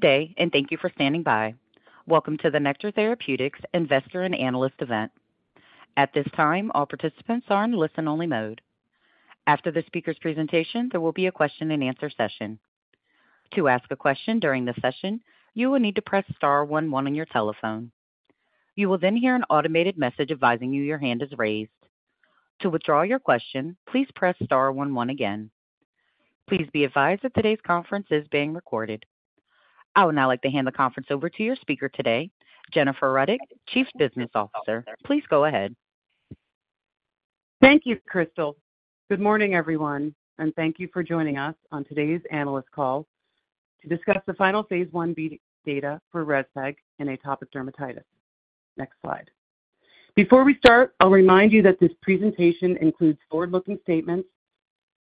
Good day, and thank you for standing by. Welcome to the Nektar Therapeutics Investor and Analyst event. At this time, all participants are in listen-only mode. After the speaker's presentation, there will be a question-and-answer session. To ask a question during the session, you will need to press star one one on your telephone. You will then hear an automated message advising you your hand is raised. To withdraw your question, please press star one one again. Please be advised that today's conference is being recorded. I would now like to hand the conference over to your speaker today, Jennifer Ruddock, Chief Business Officer. Please go ahead. Thank you, Crystal. Good morning, everyone, and thank you for joining us on today's analyst call to discuss the final phase Ib data for Rezpeg in atopic dermatitis. Next slide. Before we start, I'll remind you that this presentation includes forward-looking statements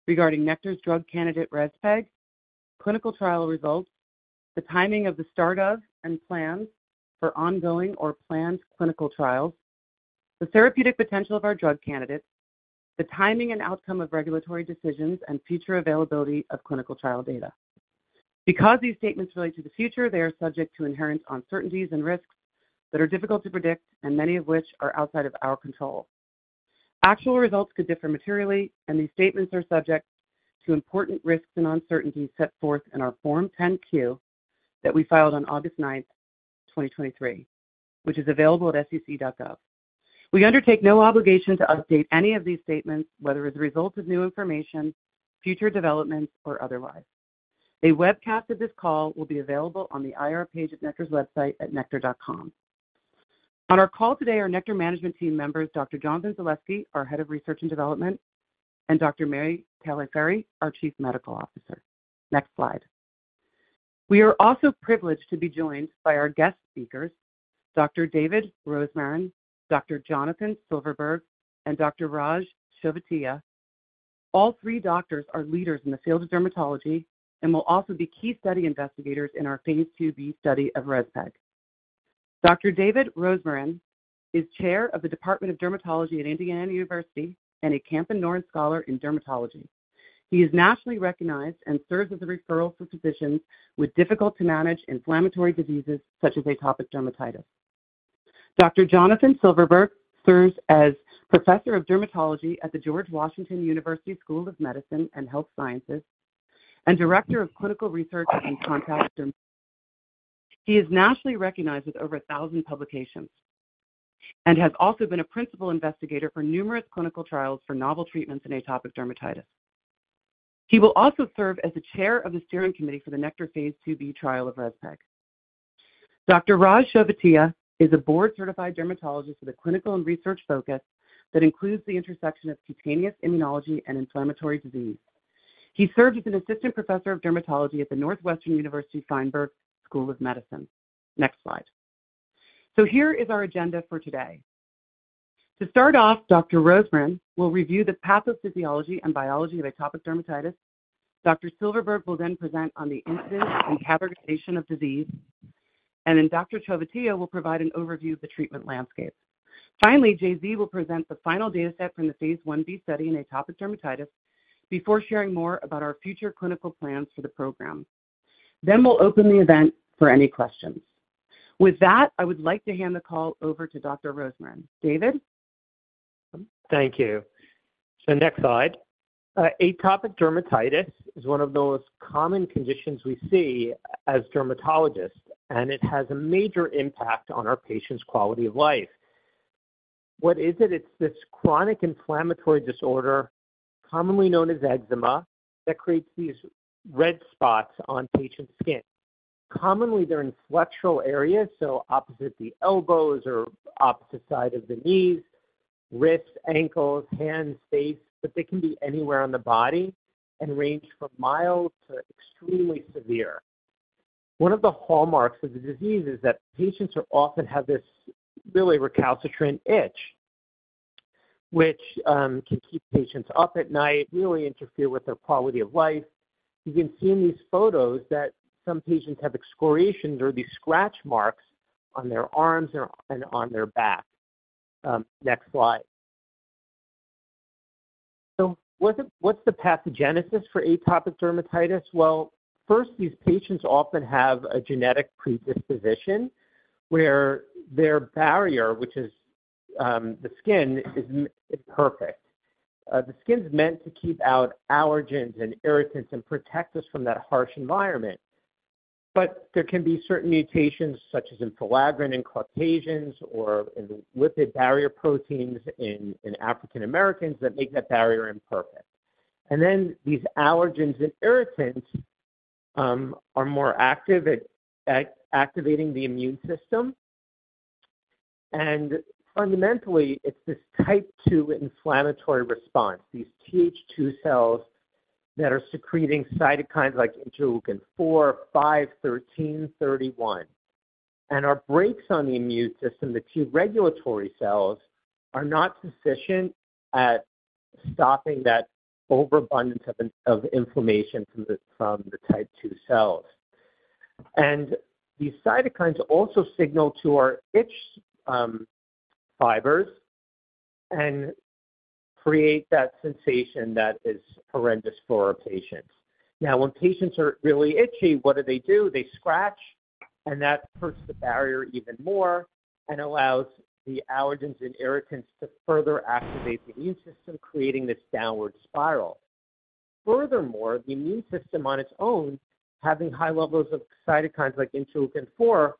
regarding Nektar's drug candidate, Rezpeg, clinical trial results, the timing of the start of and plans for ongoing or planned clinical trials, the therapeutic potential of our drug candidates, the timing and outcome of regulatory decisions, and future availability of clinical trial data. Because these statements relate to the future, they are subject to inherent uncertainties and risks that are difficult to predict and many of which are outside of our control. Actual results could differ materially, and these statements are subject to important risks and uncertainties set forth in our Form 10-Q that we filed on August 9, 2023, which is available at SEC.gov. We undertake no obligation to update any of these statements, whether as a result of new information, future developments, or otherwise. A webcast of this call will be available on the IR page at Nektar's website at nektar.com. On our call today are Nektar management team members, Dr. Jonathan Zalevsky, our Head of Research and Development, and Dr. Mary Tagliaferri, our Chief Medical Officer. Next slide. We are also privileged to be joined by our guest speakers, Dr. David Rosmarin, Dr. Jonathan Silverberg, and Dr. Raj Chovatiya. All three doctors are leaders in the field of dermatology and will also be key study investigators in our phase IIb study of Rezpeg. Dr. David Rosmarin is Chair of the Department of Dermatology at Indiana University and a Kempen-Norins Scholar in Dermatology. He is nationally recognized and serves as a referral for physicians with difficult-to-manage inflammatory diseases, such as atopic dermatitis. Dr. Jonathan Silverberg serves as Professor of Dermatology at the George Washington University School of Medicine and Health Sciences and Director of Clinical Research. He is nationally recognized with over 1,000 publications and has also been a principal investigator for numerous clinical trials for novel treatments in atopic dermatitis. He will also serve as the chair of the steering committee for the Nektar phase IIb trial of rezpegaldesleukin. Dr. Raj Chovatiya is a board-certified dermatologist with a clinical and research focus that includes the intersection of cutaneous immunology and inflammatory disease. He serves as an Assistant Professor of Dermatology at the Northwestern University Feinberg School of Medicine. Next slide. So here is our agenda for today. To start off, Dr. Rosmarin will review the pathophysiology and biology of atopic dermatitis. Dr. Silverberg will then present on the incidence and characterization of disease, and then Dr. Chovatiya will provide an overview of the treatment landscape. Finally, J.Z. will present the final data set from the phase Ib study in atopic dermatitis before sharing more about our future clinical plans for the program. Then we'll open the event for any questions. With that, I would like to hand the call over to Dr. Rosmarin. David? Thank you. So next slide. Atopic dermatitis is one of the most common conditions we see as dermatologists, and it has a major impact on our patients' quality of life. What is it? It's this chronic inflammatory disorder, commonly known as eczema, that creates these red spots on patients' skin. Commonly, they're in flexural areas, so opposite the elbows or opposite side of the knees, wrists, ankles, hands, face, but they can be anywhere on the body and range from mild to extremely severe. One of the hallmarks of the disease is that patients often have this really recalcitrant itch, which can keep patients up at night, really interfere with their quality of life. You can see in these photos that some patients have excoriations or these scratch marks on their arms and on their back. Next slide. So what's the pathogenesis for atopic dermatitis? Well, first, these patients often have a genetic predisposition where their barrier, which is the skin, is imperfect. The skin's meant to keep out allergens and irritants and protect us from that harsh environment. But there can be certain mutations, such as in filaggrin, in Caucasians or in lipid barrier proteins in African Americans, that make that barrier imperfect. And then these allergens and irritants are more active at activating the immune system. And fundamentally, it's this type two inflammatory response, these Th2 cells that are secreting cytokines like interleukin four, five, thirteen, thirty-one. And our brakes on the immune system, the T regulatory cells, are not sufficient at stopping that overabundance of inflammation from the type two cells. And these cytokines also signal to our itch fibers-... and create that sensation that is horrendous for our patients. Now, when patients are really itchy, what do they do? They scratch, and that hurts the barrier even more and allows the allergens and irritants to further activate the immune system, creating this downward spiral. Furthermore, the immune system on its own, having high levels of cytokines like interleukin four,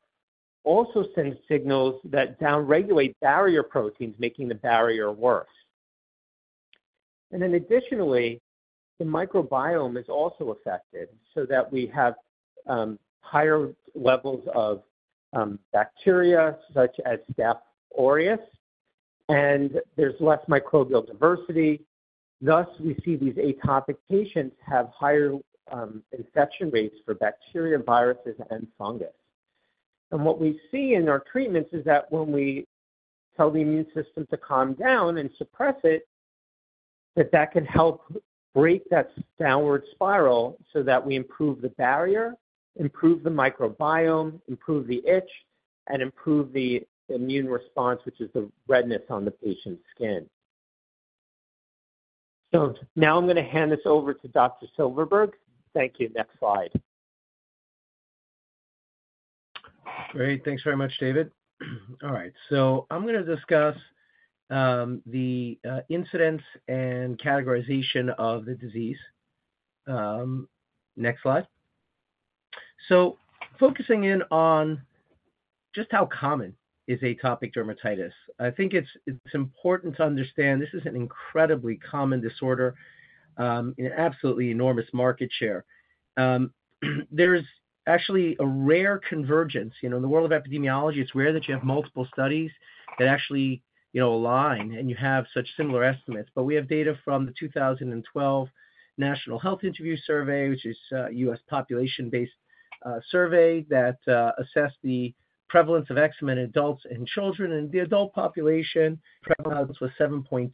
also sends signals that downregulate barrier proteins, making the barrier worse. And then additionally, the microbiome is also affected so that we have higher levels of bacteria such as Staph aureus, and there's less microbial diversity. Thus, we see these atopic patients have higher infection rates for bacteria, viruses, and fungus. What we see in our treatments is that when we tell the immune system to calm down and suppress it, that that can help break that downward spiral so that we improve the barrier, improve the microbiome, improve the itch, and improve the immune response, which is the redness on the patient's skin. Now I'm going to hand this over to Dr. Silverberg. Thank you. Next slide. Great. Thanks very much, David. All right, so I'm going to discuss the incidence and categorization of the disease. Next slide. So focusing in on just how common is atopic dermatitis? I think it's important to understand this is an incredibly common disorder, an absolutely enormous market share. There's actually a rare convergence. You know, in the world of epidemiology, it's rare that you have multiple studies that actually, you know, align and you have such similar estimates. But we have data from the 2012 National Health Interview Survey, which is a U.S. population-based survey that assessed the prevalence of eczema in adults and children. In the adult population, prevalence was 7.2%.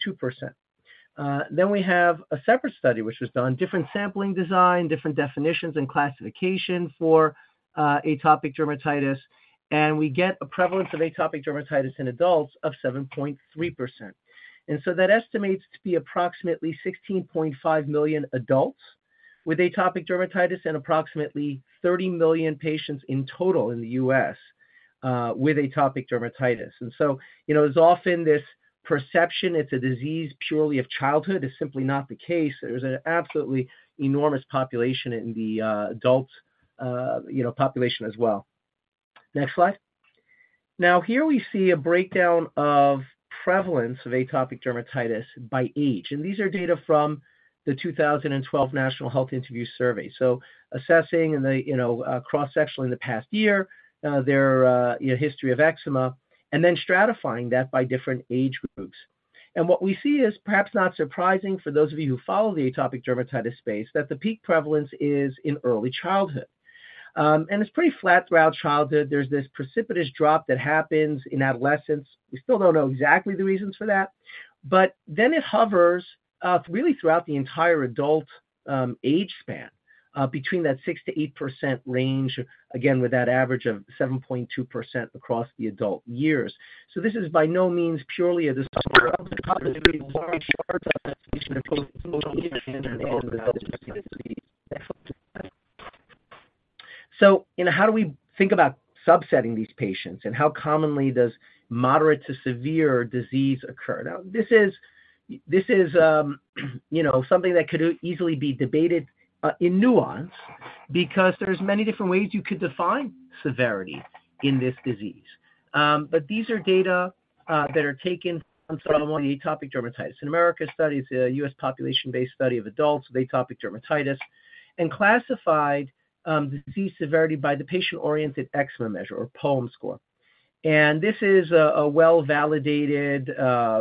Then we have a separate study, which was done, different sampling design, different definitions and classification for atopic dermatitis, and we get a prevalence of atopic dermatitis in adults of 7.3%. So that estimates to be approximately 16.5 million adults with atopic dermatitis and approximately 30 million patients in total in the U.S. with atopic dermatitis. So, you know, there's often this perception it's a disease purely of childhood, it's simply not the case. There's an absolutely enormous population in the adult, you know, population as well. Next slide. Now, here we see a breakdown of prevalence of atopic dermatitis by age, and these are data from the 2012 National Health Interview Survey. So assessing in the you know cross-sectionally in the past year their you know history of eczema and then stratifying that by different age groups. What we see is perhaps not surprising for those of you who follow the atopic dermatitis space, that the peak prevalence is in early childhood. It's pretty flat throughout childhood. There's this precipitous drop that happens in adolescence. We still don't know exactly the reasons for that, but then it hovers really throughout the entire adult age span between that 6%-8% range, again, with that average of 7.2% across the adult years. So this is by no means purely a disorder of the large parts of the population and adult disease. Next. So, you know, how do we think about subsetting these patients, and how commonly does moderate to severe disease occur? Now, this is, you know, something that could easily be debated in nuance because there's many different ways you could define severity in this disease. But these are data that are taken from the Atopic Dermatitis in America study. It's a U.S. population-based study of adults with atopic dermatitis and classified the disease severity by the Patient-Oriented Eczema Measure or POEM score. And this is a well-validated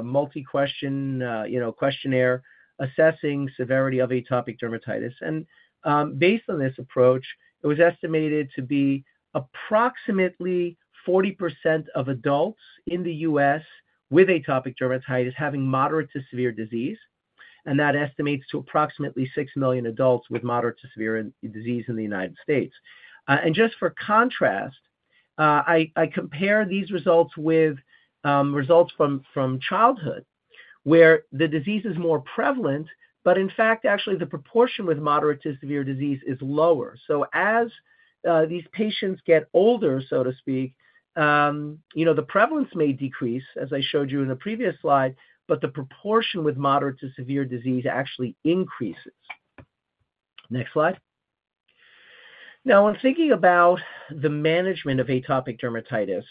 multi-question, you know, questionnaire assessing severity of atopic dermatitis. And, based on this approach, it was estimated to be approximately 40% of adults in the U.S. with atopic dermatitis having moderate to severe disease, and that estimates to approximately 6 million adults with moderate to severe disease in the United States. Just for contrast, I compare these results with results from childhood, where the disease is more prevalent, but in fact, actually, the proportion with moderate to severe disease is lower. As these patients get older, so to speak, you know, the prevalence may decrease, as I showed you in the previous slide, but the proportion with moderate to severe disease actually increases. Next slide. Now, when thinking about the management of atopic dermatitis,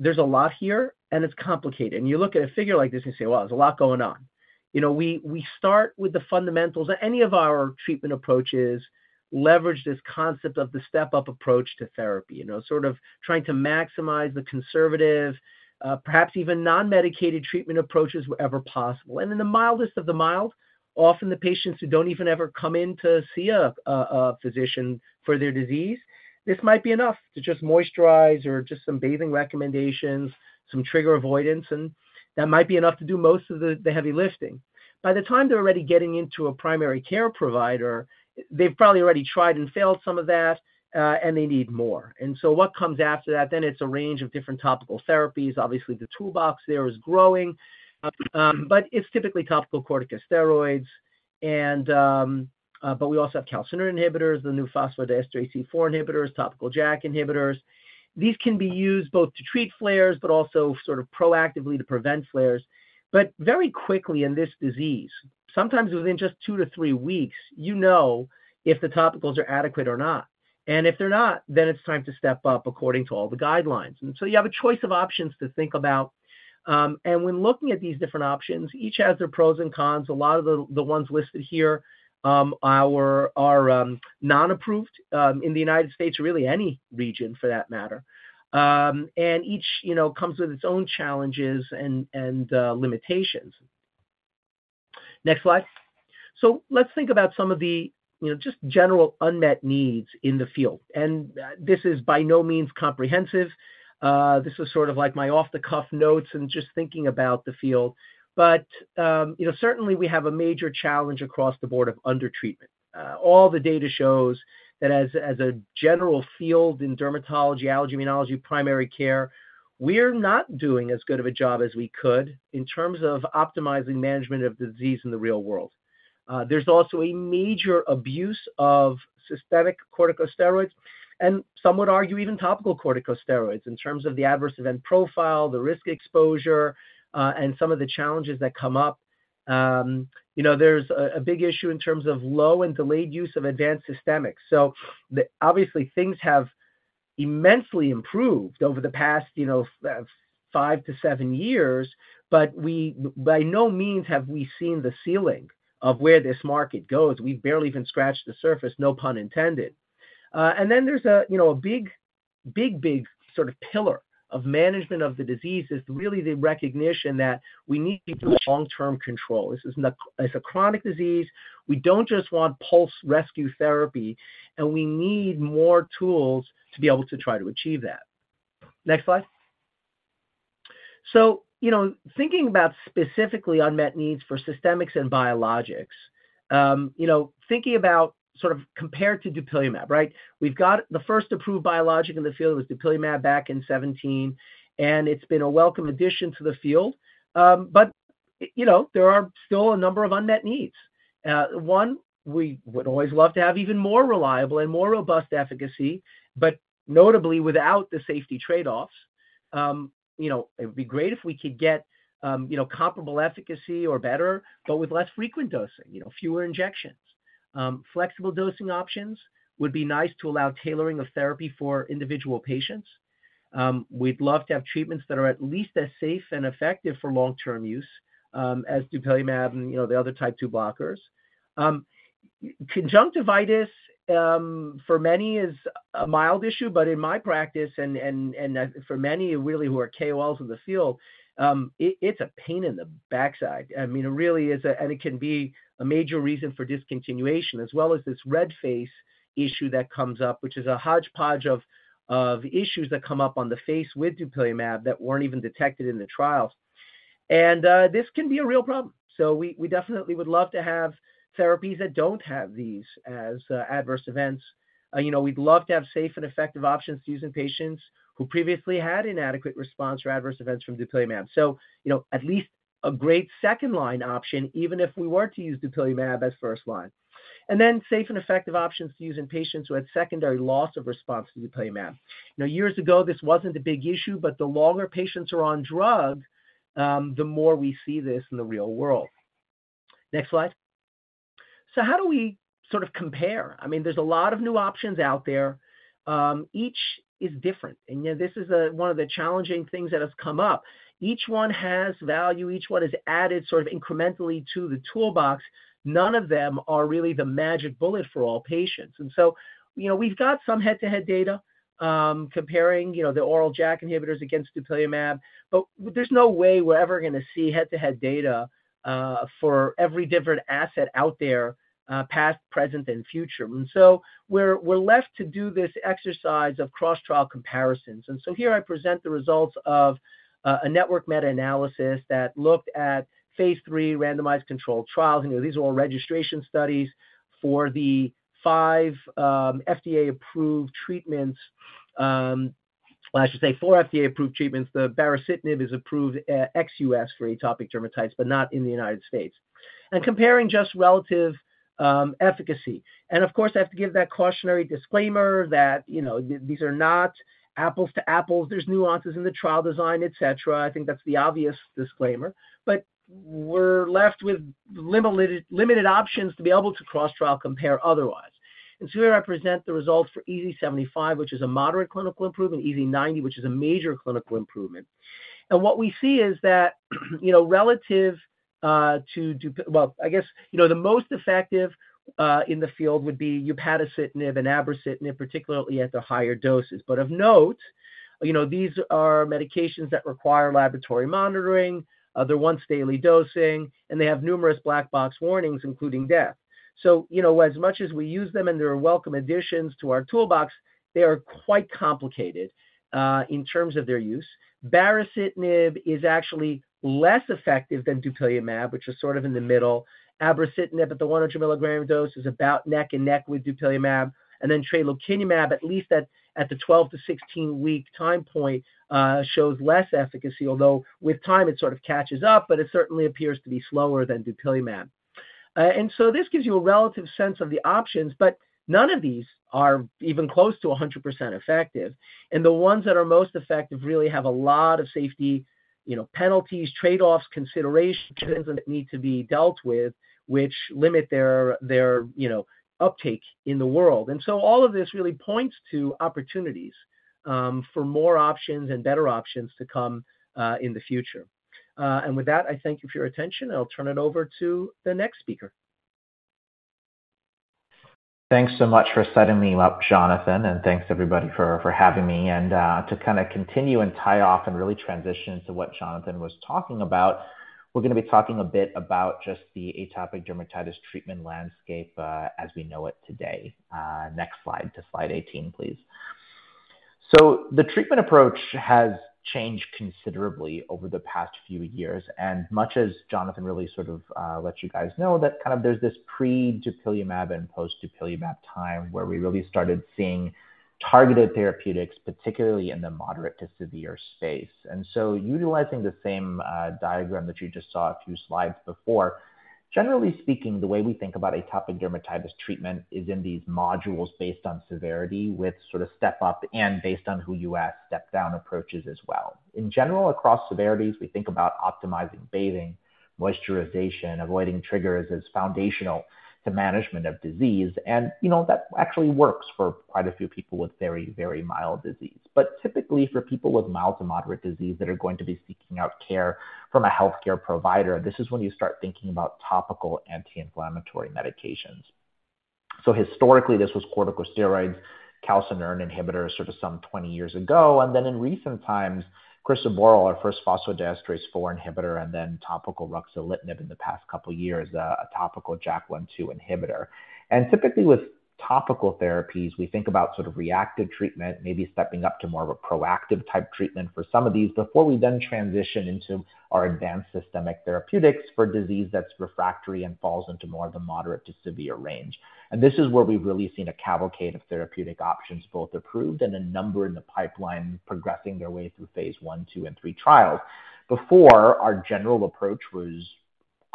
there's a lot here, and it's complicated. You look at a figure like this and say, "Well, there's a lot going on." You know, we start with the fundamentals. Any of our treatment approaches leverage this concept of the step-up approach to therapy. You know, sort of trying to maximize the conservative, perhaps even non-medicated treatment approaches wherever possible. In the mildest of the mild, often the patients who don't even ever come in to see a physician for their disease, this might be enough to just moisturize or just some bathing recommendations, some trigger avoidance, and that might be enough to do most of the heavy lifting. By the time they're already getting into a primary care provider, they've probably already tried and failed some of that, and they need more. So what comes after that, then it's a range of different topical therapies. Obviously, the toolbox there is growing, but it's typically topical corticosteroids. But we also have calcineurin inhibitors, the new phosphodiesterase 4 inhibitors, topical JAK inhibitors. These can be used both to treat flares, but also sort of proactively to prevent flares. But very quickly in this disease, sometimes within just 2-3 weeks, you know if the topicals are adequate or not. And if they're not, then it's time to step up according to all the guidelines. And so you have a choice of options to think about. And when looking at these different options, each has their pros and cons. A lot of the ones listed here are non-approved in the United States, or really any region for that matter. And each, you know, comes with its own challenges and limitations. Next slide. So let's think about some of the, you know, just general unmet needs in the field, and this is by no means comprehensive. This is sort of like my off-the-cuff notes and just thinking about the field. But, you know, certainly we have a major challenge across the board of undertreatment. All the data shows that as a general field in dermatology, allergy, immunology, primary care, we're not doing as good of a job as we could in terms of optimizing management of disease in the real world. There's also a major abuse of systemic corticosteroids, and some would argue even topical corticosteroids in terms of the adverse event profile, the risk exposure, and some of the challenges that come up. You know, there's a big issue in terms of low and delayed use of advanced systemics. So, obviously, things have immensely improved over the past, you know, 5 to 7 years, but, by no means have we seen the ceiling of where this market goes. We've barely even scratched the surface, no pun intended. and then there's a, you know, a big, big, big sort of pillar of management of the disease is really the recognition that we need people with long-term control. This is not. It's a chronic disease. We don't just want pulse rescue therapy, and we need more tools to be able to try to achieve that. Next slide. So, you know, thinking about specifically unmet needs for systemics and biologics, you know, thinking about sort of compared to dupilumab, right? We've got the first approved biologic in the field was dupilumab back in 2017, and it's been a welcome addition to the field. But, you know, there are still a number of unmet needs. One, we would always love to have even more reliable and more robust efficacy, but notably without the safety trade-offs. You know, it would be great if we could get, you know, comparable efficacy or better, but with less frequent dosing, you know, fewer injections. Flexible dosing options would be nice to allow tailoring of therapy for individual patients. We'd love to have treatments that are at least as safe and effective for long-term use, as dupilumab and, you know, the other type two blockers. Conjunctivitis, for many is a mild issue, but in my practice, and for many really who are KOLs in the field, it, it's a pain in the backside. I mean, it really is, and it can be a major reason for discontinuation, as well as this red face issue that comes up, which is a hodgepodge of issues that come up on the face with dupilumab that weren't even detected in the trials. This can be a real problem. So we definitely would love to have therapies that don't have these as adverse events. You know, we'd love to have safe and effective options to use in patients who previously had inadequate response or adverse events from dupilumab. So, you know, at least a great second-line option, even if we were to use dupilumab as first line. And then safe and effective options to use in patients who had secondary loss of response to dupilumab. Now, years ago, this wasn't a big issue, but the longer patients are on drug, the more we see this in the real world. Next slide. So how do we sort of compare? I mean, there's a lot of new options out there. Each is different, and, you know, this is one of the challenging things that has come up. Each one has value. Each one is added sort of incrementally to the toolbox. None of them are really the magic bullet for all patients. And so, you know, we've got some head-to-head data, comparing, you know, the oral JAK inhibitors against dupilumab, but there's no way we're ever gonna see head-to-head data, for every different asset out there, past, present, and future. And so we're left to do this exercise of cross-trial comparisons. And so here I present the results of a network meta-analysis that looked at phase III randomized controlled trials. You know, these are all registration studies for the 5 FDA-approved treatments, I should say 4 FDA-approved treatments. The baricitinib is approved ex-US for atopic dermatitis, but not in the United States. And comparing just relative efficacy. Of course, I have to give that cautionary disclaimer that, you know, these are not apples to apples. There's nuances in the trial design, et cetera. I think that's the obvious disclaimer. But we're left with limited, limited options to be able to cross-trial compare otherwise. And so here I present the results for EASI-75, which is a moderate clinical improvement, EASI-90, which is a major clinical improvement. And what we see is that, you know, relative to well, I guess, you know, the most effective, in the field would be upadacitinib and abrocitinib, particularly at the higher doses. But of note, you know, these are medications that require laboratory monitoring. They're once-daily dosing, and they have numerous black box warnings, including death. So, you know, as much as we use them, and they're welcome additions to our toolbox, they are quite complicated in terms of their use. Baricitinib is actually less effective than dupilumab, which is sort of in the middle. Abrocitinib at the 100 milligram dose is about neck and neck with dupilumab, and then tralokinumab, at least at the 12-16-week time point, shows less efficacy. Although, with time, it sort of catches up, but it certainly appears to be slower than dupilumab.... And so this gives you a relative sense of the options, but none of these are even close to 100% effective. And the ones that are most effective really have a lot of safety, you know, penalties, trade-offs, considerations that need to be dealt with, which limit their, you know, uptake in the world. So all of this really points to opportunities for more options and better options to come in the future. With that, I thank you for your attention, and I'll turn it over to the next speaker. Thanks so much for setting me up, Jonathan, and thanks everybody for having me. To kinda continue and tie off and really transition to what Jonathan was talking about, we're gonna be talking a bit about just the atopic dermatitis treatment landscape, as we know it today. Next slide, to slide 18, please. The treatment approach has changed considerably over the past few years, and much as Jonathan really sort of let you guys know, that kind of there's this pre-dupilumab and post-dupilumab time, where we really started seeing targeted therapeutics, particularly in the moderate to severe space. And so utilizing the same diagram that you just saw a few slides before, generally speaking, the way we think about atopic dermatitis treatment is in these modules based on severity, with sort of step up and based on who you ask, step-down approaches as well. In general, across severities, we think about optimizing bathing, moisturization, avoiding triggers as foundational to management of disease, and, you know, that actually works for quite a few people with very, very mild disease. But typically, for people with mild to moderate disease that are going to be seeking out care from a healthcare provider, this is when you start thinking about topical anti-inflammatory medications. So historically, this was corticosteroids, calcineurin inhibitors, sort of some 20 years ago. And then in recent times, crisaborole, our first phosphodiesterase 4 inhibitor, and then topical ruxolitinib in the past couple of years, a topical JAK1/2 inhibitor. And typically with topical therapies, we think about sort of reactive treatment, maybe stepping up to more of a proactive type treatment for some of these, before we then transition into our advanced systemic therapeutics for disease that's refractory and falls into more of the moderate to severe range. And this is where we've really seen a cavalcade of therapeutic options, both approved and a number in the pipeline, progressing their way through phase I, II, and III trials. Before, our general approach was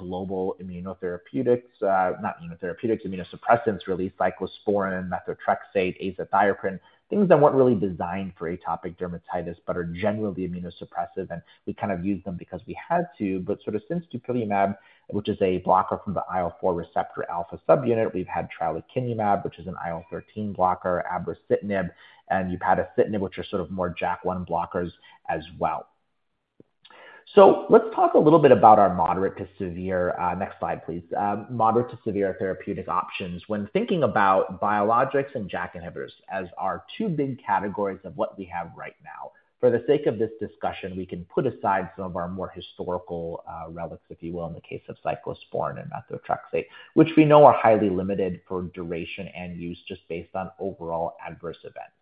global immunotherapeutics, not immunotherapeutics, immunosuppressants, really cyclosporine, methotrexate, azathioprine, things that weren't really designed for atopic dermatitis but are generally immunosuppressive, and we kind of used them because we had to. But sort of since dupilumab, which is a blocker from the IL-4 receptor alpha subunit, we've had tralokinumab, which is an IL-13 blocker, abrocitinib, and upadacitinib, which are sort of more JAK1 blockers as well. So let's talk a little bit about our moderate to severe. Next slide, please. Moderate to severe therapeutic options. When thinking about biologics and JAK inhibitors as our two big categories of what we have right now, for the sake of this discussion, we can put aside some of our more historical relics, if you will, in the case of cyclosporine and methotrexate, which we know are highly limited for duration and use just based on overall adverse events.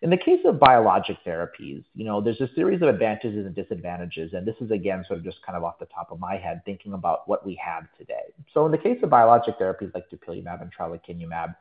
In the case of biologic therapies, you know, there's a series of advantages and disadvantages, and this is, again, sort of just kind of off the top of my head, thinking about what we have today. So in the case of biologic therapies like dupilumab and tralokinumab,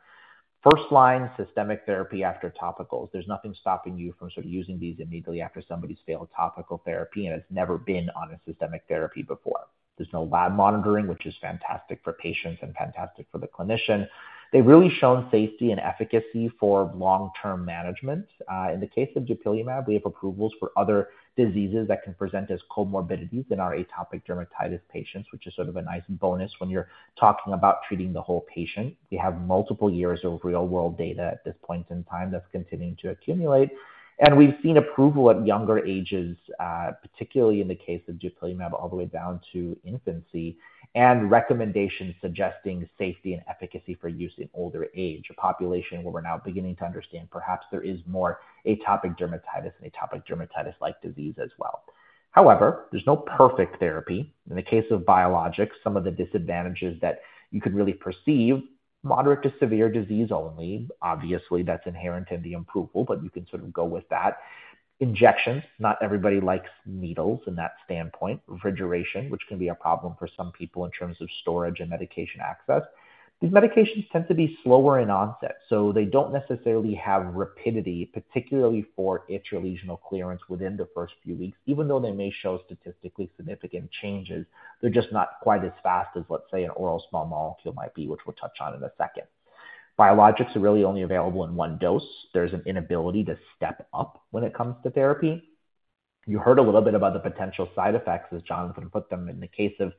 first-line systemic therapy after topicals. There's nothing stopping you from sort of using these immediately after somebody's failed topical therapy and has never been on a systemic therapy before. There's no lab monitoring, which is fantastic for patients and fantastic for the clinician. They've really shown safety and efficacy for long-term management. In the case of dupilumab, we have approvals for other diseases that can present as comorbidities in our atopic dermatitis patients, which is sort of a nice bonus when you're talking about treating the whole patient. We have multiple years of real-world data at this point in time that's continuing to accumulate, and we've seen approval at younger ages, particularly in the case of dupilumab, all the way down to infancy, and recommendations suggesting safety and efficacy for use in older age, a population where we're now beginning to understand perhaps there is more atopic dermatitis and atopic dermatitis-like disease as well. However, there's no perfect therapy. In the case of biologics, some of the disadvantages that you could really perceive, moderate to severe disease only. Obviously, that's inherent in the approval, but you can sort of go with that. Injections, not everybody likes needles in that standpoint. Refrigeration, which can be a problem for some people in terms of storage and medication access. These medications tend to be slower in onset, so they don't necessarily have rapidity, particularly for intra-lesional clearance within the first few weeks. Even though they may show statistically significant changes, they're just not quite as fast as, let's say, an oral small molecule might be, which we'll touch on in a second. Biologics are really only available in one dose. There's an inability to step up when it comes to therapy. You heard a little bit about the potential side effects, as Jonathan put them, in the case of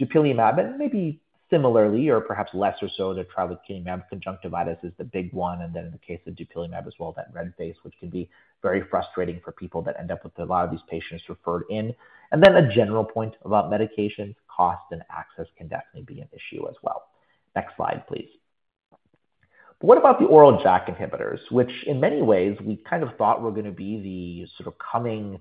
dupilumab, and maybe similarly or perhaps less or so than tralokinumab. Conjunctivitis is the big one, and then in the case of dupilumab as well, that red face, which can be very frustrating for people that end up with a lot of these patients referred in. Then a general point about medications, cost and access can definitely be an issue as well. Next slide, please. What about the oral JAK inhibitors? Which, in many ways, we kind of thought were gonna be the sort of coming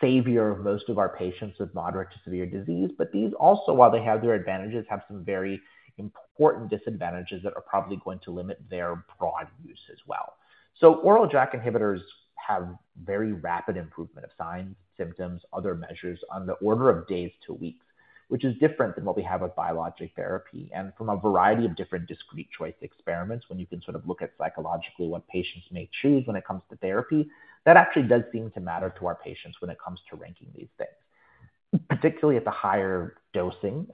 savior of most of our patients with moderate to severe disease. But these also, while they have their advantages, have some very important disadvantages that are probably going to limit their broad use as well. Oral JAK inhibitors have very rapid improvement of signs, symptoms, other measures on the order of days to weeks, which is different than what we have with biologic therapy. From a variety of different discrete choice experiments, when you can sort of look at psychologically what patients may choose when it comes to therapy, that actually does seem to matter to our patients when it comes to ranking... Particularly at the higher dosing,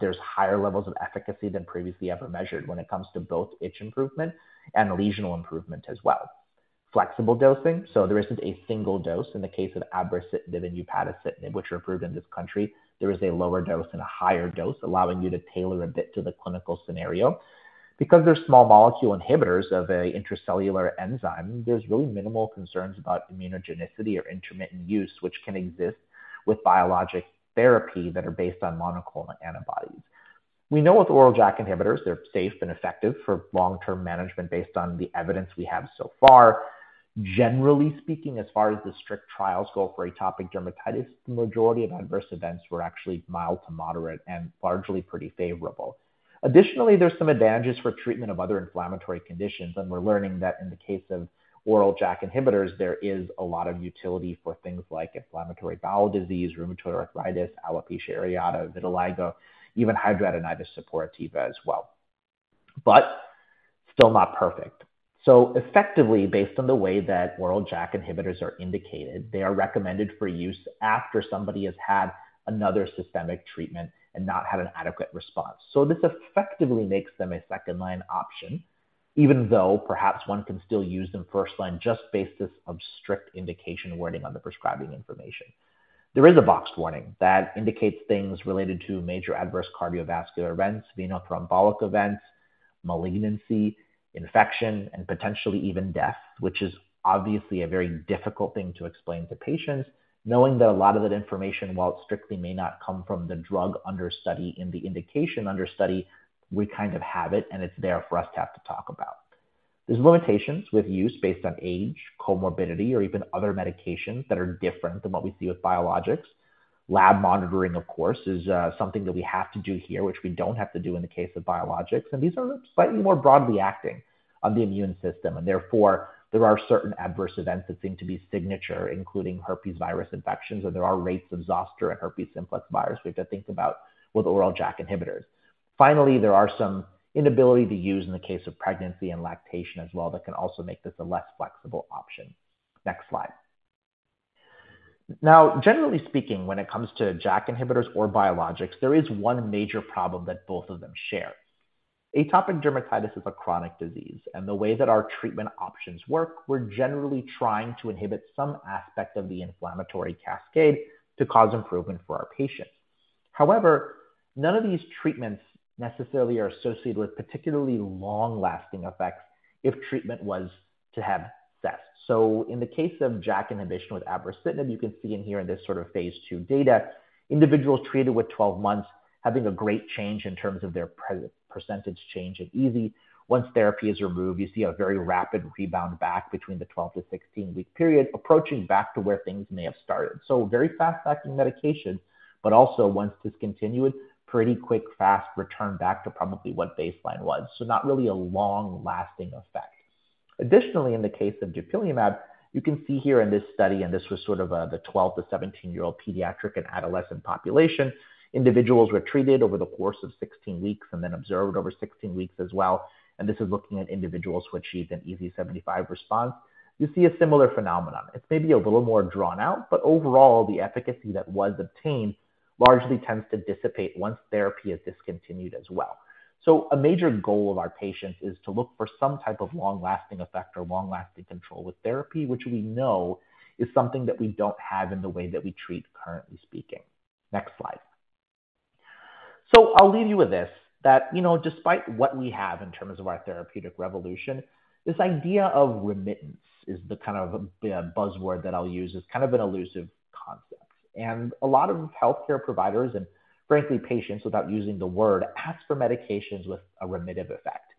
there's higher levels of efficacy than previously ever measured when it comes to both itch improvement and lesional improvement as well. Flexible dosing, so there isn't a single dose in the case of abrocitinib and upadacitinib, which are approved in this country. There is a lower dose and a higher dose, allowing you to tailor a bit to the clinical scenario. Because they're small molecule inhibitors of an intracellular enzyme, there's really minimal concerns about immunogenicity or intermittent use, which can exist with biologic therapy that are based on monoclonal antibodies. We know with oral JAK inhibitors, they're safe and effective for long-term management based on the evidence we have so far. Generally speaking, as far as the strict trials go for atopic dermatitis, the majority of adverse events were actually mild to moderate and largely pretty favorable. Additionally, there's some advantages for treatment of other inflammatory conditions, and we're learning that in the case of oral JAK inhibitors, there is a lot of utility for things like inflammatory bowel disease, rheumatoid arthritis, alopecia areata, vitiligo, even hidradenitis suppurativa as well. But still not perfect. So effectively, based on the way that oral JAK inhibitors are indicated, they are recommended for use after somebody has had another systemic treatment and not had an adequate response. So this effectively makes them a second-line option, even though perhaps one can still use them first line just based on strict indication wording on the prescribing information. There is a boxed warning that indicates things related to major adverse cardiovascular events, veno-thrombotic events, malignancy, infection, and potentially even death, which is obviously a very difficult thing to explain to patients. Knowing that a lot of that information, while it strictly may not come from the drug under study in the indication under study, we kind of have it, and it's there for us to have to talk about. There's limitations with use based on age, comorbidity, or even other medications that are different than what we see with biologics. Lab monitoring, of course, is something that we have to do here, which we don't have to do in the case of biologics, and these are slightly more broadly acting on the immune system. And therefore, there are certain adverse events that seem to be signature, including herpes virus infections, and there are rates of zoster and herpes simplex virus we've got to think about with oral JAK inhibitors. Finally, there is some inability to use in the case of pregnancy and lactation as well that can also make this a less flexible option. Next slide. Now, generally speaking, when it comes to JAK inhibitors or biologics, there is one major problem that both of them share. Atopic dermatitis is a chronic disease, and the way that our treatment options work, we're generally trying to inhibit some aspect of the inflammatory cascade to cause improvement for our patients. However, none of these treatments necessarily are associated with particularly long-lasting effects if treatment was to be ceased. So in the case of JAK inhibition with abrocitinib, you can see in here in this sort of phase I data, individuals treated with 12 months having a great change in terms of their percentage change in EASI. Once therapy is removed, you see a very rapid rebound back between the 12- to 16-week period, approaching back to where things may have started. So very fast-acting medication, but also once discontinued, pretty quick, fast return back to probably what baseline was. So not really a long-lasting effect. Additionally, in the case of dupilumab, you can see here in this study, and this was sort of, the 12- to 17-year-old pediatric and adolescent population, individuals were treated over the course of 16 weeks and then observed over 16 weeks as well, and this is looking at individuals who achieved an EASI-75 response. You see a similar phenomenon. It's maybe a little more drawn out, but overall, the efficacy that was obtained largely tends to dissipate once therapy is discontinued as well. So a major goal of our patients is to look for some type of long-lasting effect or long-lasting control with therapy, which we know is something that we don't have in the way that we treat currently speaking. Next slide. So I'll leave you with this, that, you know, despite what we have in terms of our therapeutic revolution, this idea of remission is the kind of the buzzword that I'll use, is kind of an elusive concept. And a lot of healthcare providers and, frankly, patients, without using the word, ask for medications with a remittive effect.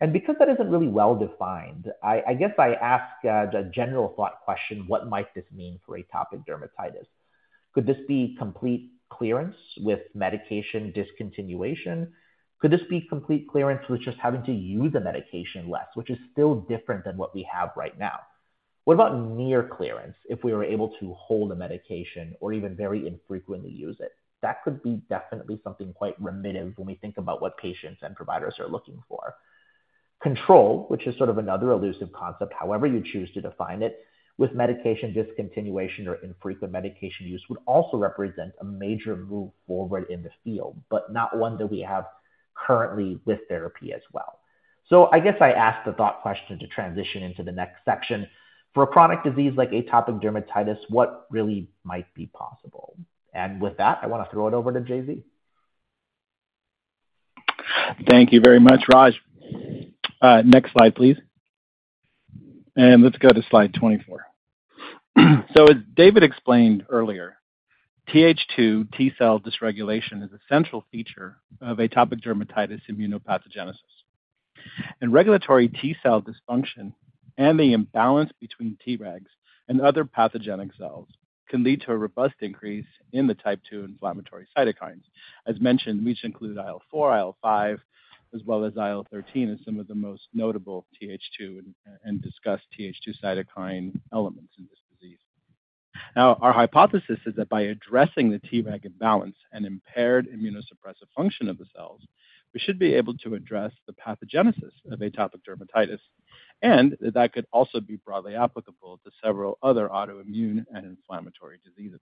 And because that isn't really well-defined, I, I guess I ask, the general thought question: What might this mean for atopic dermatitis? Could this be complete clearance with medication discontinuation? Could this be complete clearance with just having to use the medication less, which is still different than what we have right now? What about near clearance if we were able to hold a medication or even very infrequently use it? That could be definitely something quite remittive when we think about what patients and providers are looking for. Control, which is sort of another elusive concept, however you choose to define it, with medication discontinuation or infrequent medication use, would also represent a major move forward in the field, but not one that we have currently with therapy as well. I guess I ask the thought question to transition into the next section. For a chronic disease like atopic dermatitis, what really might be possible? With that, I want to throw it over to J.Z. Thank you very much, Raj. Next slide, please. Let's go to slide 24. So as David explained earlier, Th2 T cell dysregulation is a central feature of atopic dermatitis immunopathogenesis. Regulatory T cell dysfunction and the imbalance between Tregs and other pathogenic cells can lead to a robust increase in the type two inflammatory cytokines. As mentioned, which include IL-4, IL-5, as well as IL-13 as some of the most notable Th2 and discussed Th2 cytokine elements in this disease. Now, our hypothesis is that by addressing the Treg imbalance and impaired immunosuppressive function of the cells, we should be able to address the pathogenesis of atopic dermatitis, and that could also be broadly applicable to several other autoimmune and inflammatory diseases.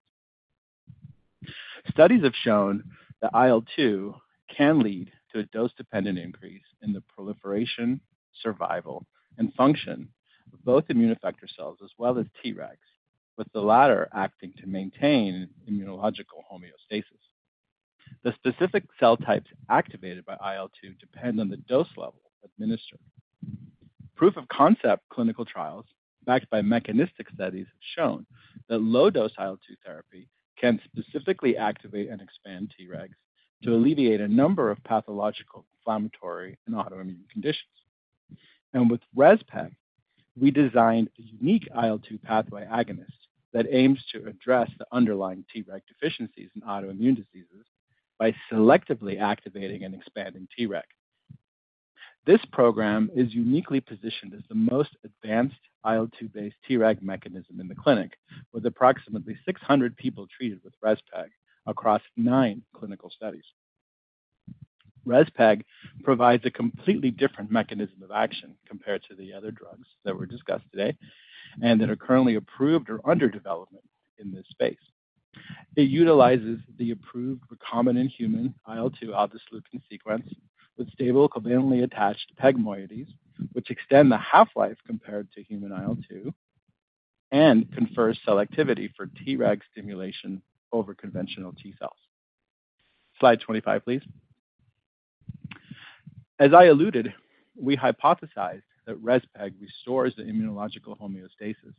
Studies have shown that IL-2 can lead to a dose-dependent increase in the proliferation, survival, and function of both immune effector cells as well as Tregs, with the latter acting to maintain immunological homeostasis. The specific cell types activated by IL-2 depend on the dose level administered. Proof-of-concept clinical trials, backed by mechanistic studies, have shown that low-dose IL-2 therapy can specifically activate and expand Tregs to alleviate a number of pathological, inflammatory, and autoimmune conditions. And with REZPEG, we designed a unique IL-2 pathway agonist that aims to address the underlying Treg deficiencies in autoimmune diseases by selectively activating and expanding Treg. This program is uniquely positioned as the most advanced IL-2-based Treg mechanism in the clinic, with approximately 600 people treated with REZPEG across nine clinical studies. Rezpeg provides a completely different mechanism of action compared to the other drugs that were discussed today and that are currently approved or under development in this space. It utilizes the approved recombinant human IL-2 alpha subunit sequence with stable covalently attached PEG moieties, which extend the half-life compared to human IL-2 and confers selectivity for Treg stimulation over conventional T cells. Slide 25, please. As I alluded, we hypothesized that Rezpeg restores the immunological homeostasis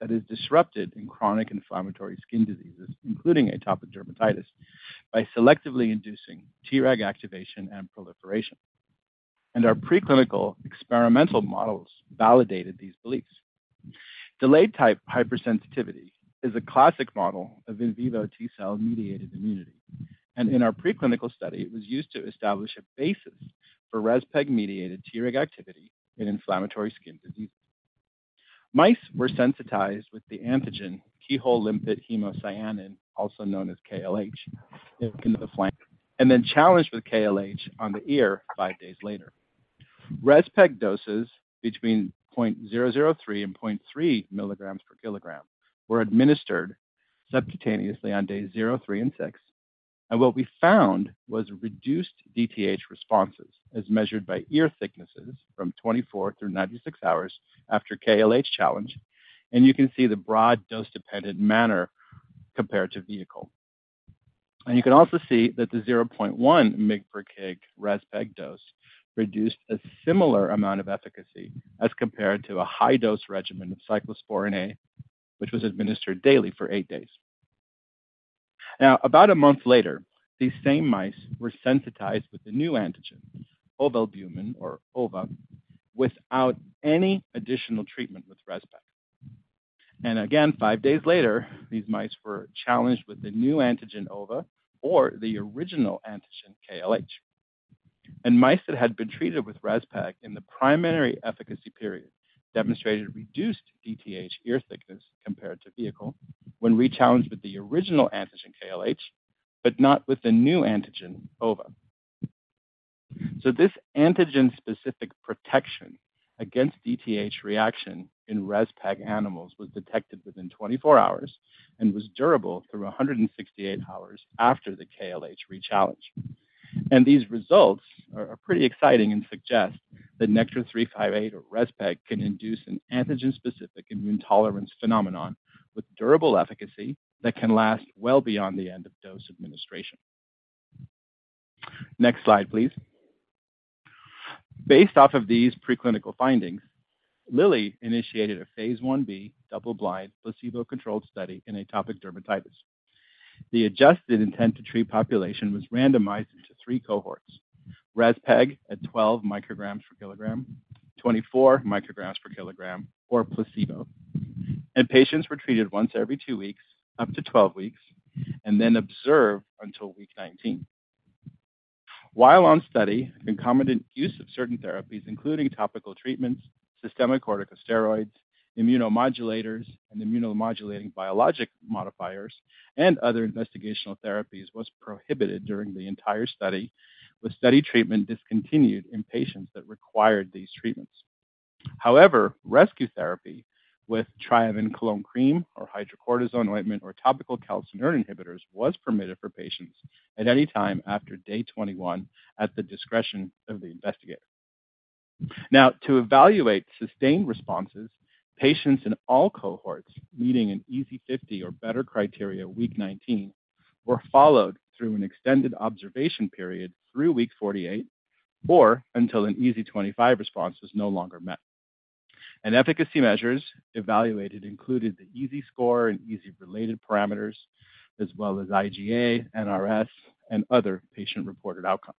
that is disrupted in chronic inflammatory skin diseases, including atopic dermatitis, by selectively inducing Treg activation and proliferation. Our preclinical experimental models validated these beliefs. Delayed-Type Hypersensitivity is a classic model of in vivo T cell-mediated immunity, and in our preclinical study, it was used to establish a basis for Rezpeg-mediated Treg activity in inflammatory skin diseases. Mice were sensitized with the antigen keyhole limpet hemocyanin, also known as KLH, into the flank, and then challenged with KLH on the ear 5 days later. Rezpeg doses between 0.003 and 0.3 mg/kg were administered subcutaneously on days 0, 3, and 6. What we found was reduced DTH responses as measured by ear thicknesses from 24 through 96 hours after KLH challenge, and you can see the broad dose-dependent manner compared to vehicle. You can also see that the 0.1 mg/kg Rezpeg dose reduced a similar amount of efficacy as compared to a high-dose regimen of cyclosporine A, which was administered daily for eight days. Now, about a month later, these same mice were sensitized with the new antigen, ovalbumin or OVA, without any additional treatment with Rezpeg. Again, 5 days later, these mice were challenged with the new antigen, OVA, or the original antigen, KLH. Mice that had been treated with Rezpeg in the primary efficacy period demonstrated reduced DTH ear thickness compared to vehicle when rechallenged with the original antigen, KLH, but not with the new antigen, OVA. This antigen-specific protection against DTH reaction in Rezpeg animals was detected within 24 hours and was durable through 168 hours after the KLH rechallenge. These results are pretty exciting and suggest that NKTR-358 or Rezpeg can induce an antigen-specific immune tolerance phenomenon with durable efficacy that can last well beyond the end of dose administration. Next slide, please. Based off of these preclinical findings, Lilly initiated a phase Ib double-blind, placebo-controlled study in atopic dermatitis. The adjusted intent-to-treat population was randomized into three cohorts: Respeg at 12 micrograms per kilogram, 24 micrograms per kilogram, or placebo. Patients were treated once every two weeks, up to 12 weeks, and then observed until week 19. While on study, concomitant use of certain therapies, including topical treatments, systemic corticosteroids, immunomodulators, and immunomodulating biologic modifiers, and other investigational therapies, was prohibited during the entire study, with study treatment discontinued in patients that required these treatments. However, rescue therapy with triamcinolone cream or hydrocortisone ointment, or topical calcineurin inhibitors was permitted for patients at any time after day 21 at the discretion of the investigator. Now, to evaluate sustained responses, patients in all cohorts meeting an EASI 50 or better criteria week 19 were followed through an extended observation period through week 48 or until an EASI 25 response was no longer met. Efficacy measures evaluated included the EASI score and EASI-related parameters, as well as IGA, NRS, and other patient-reported outcomes.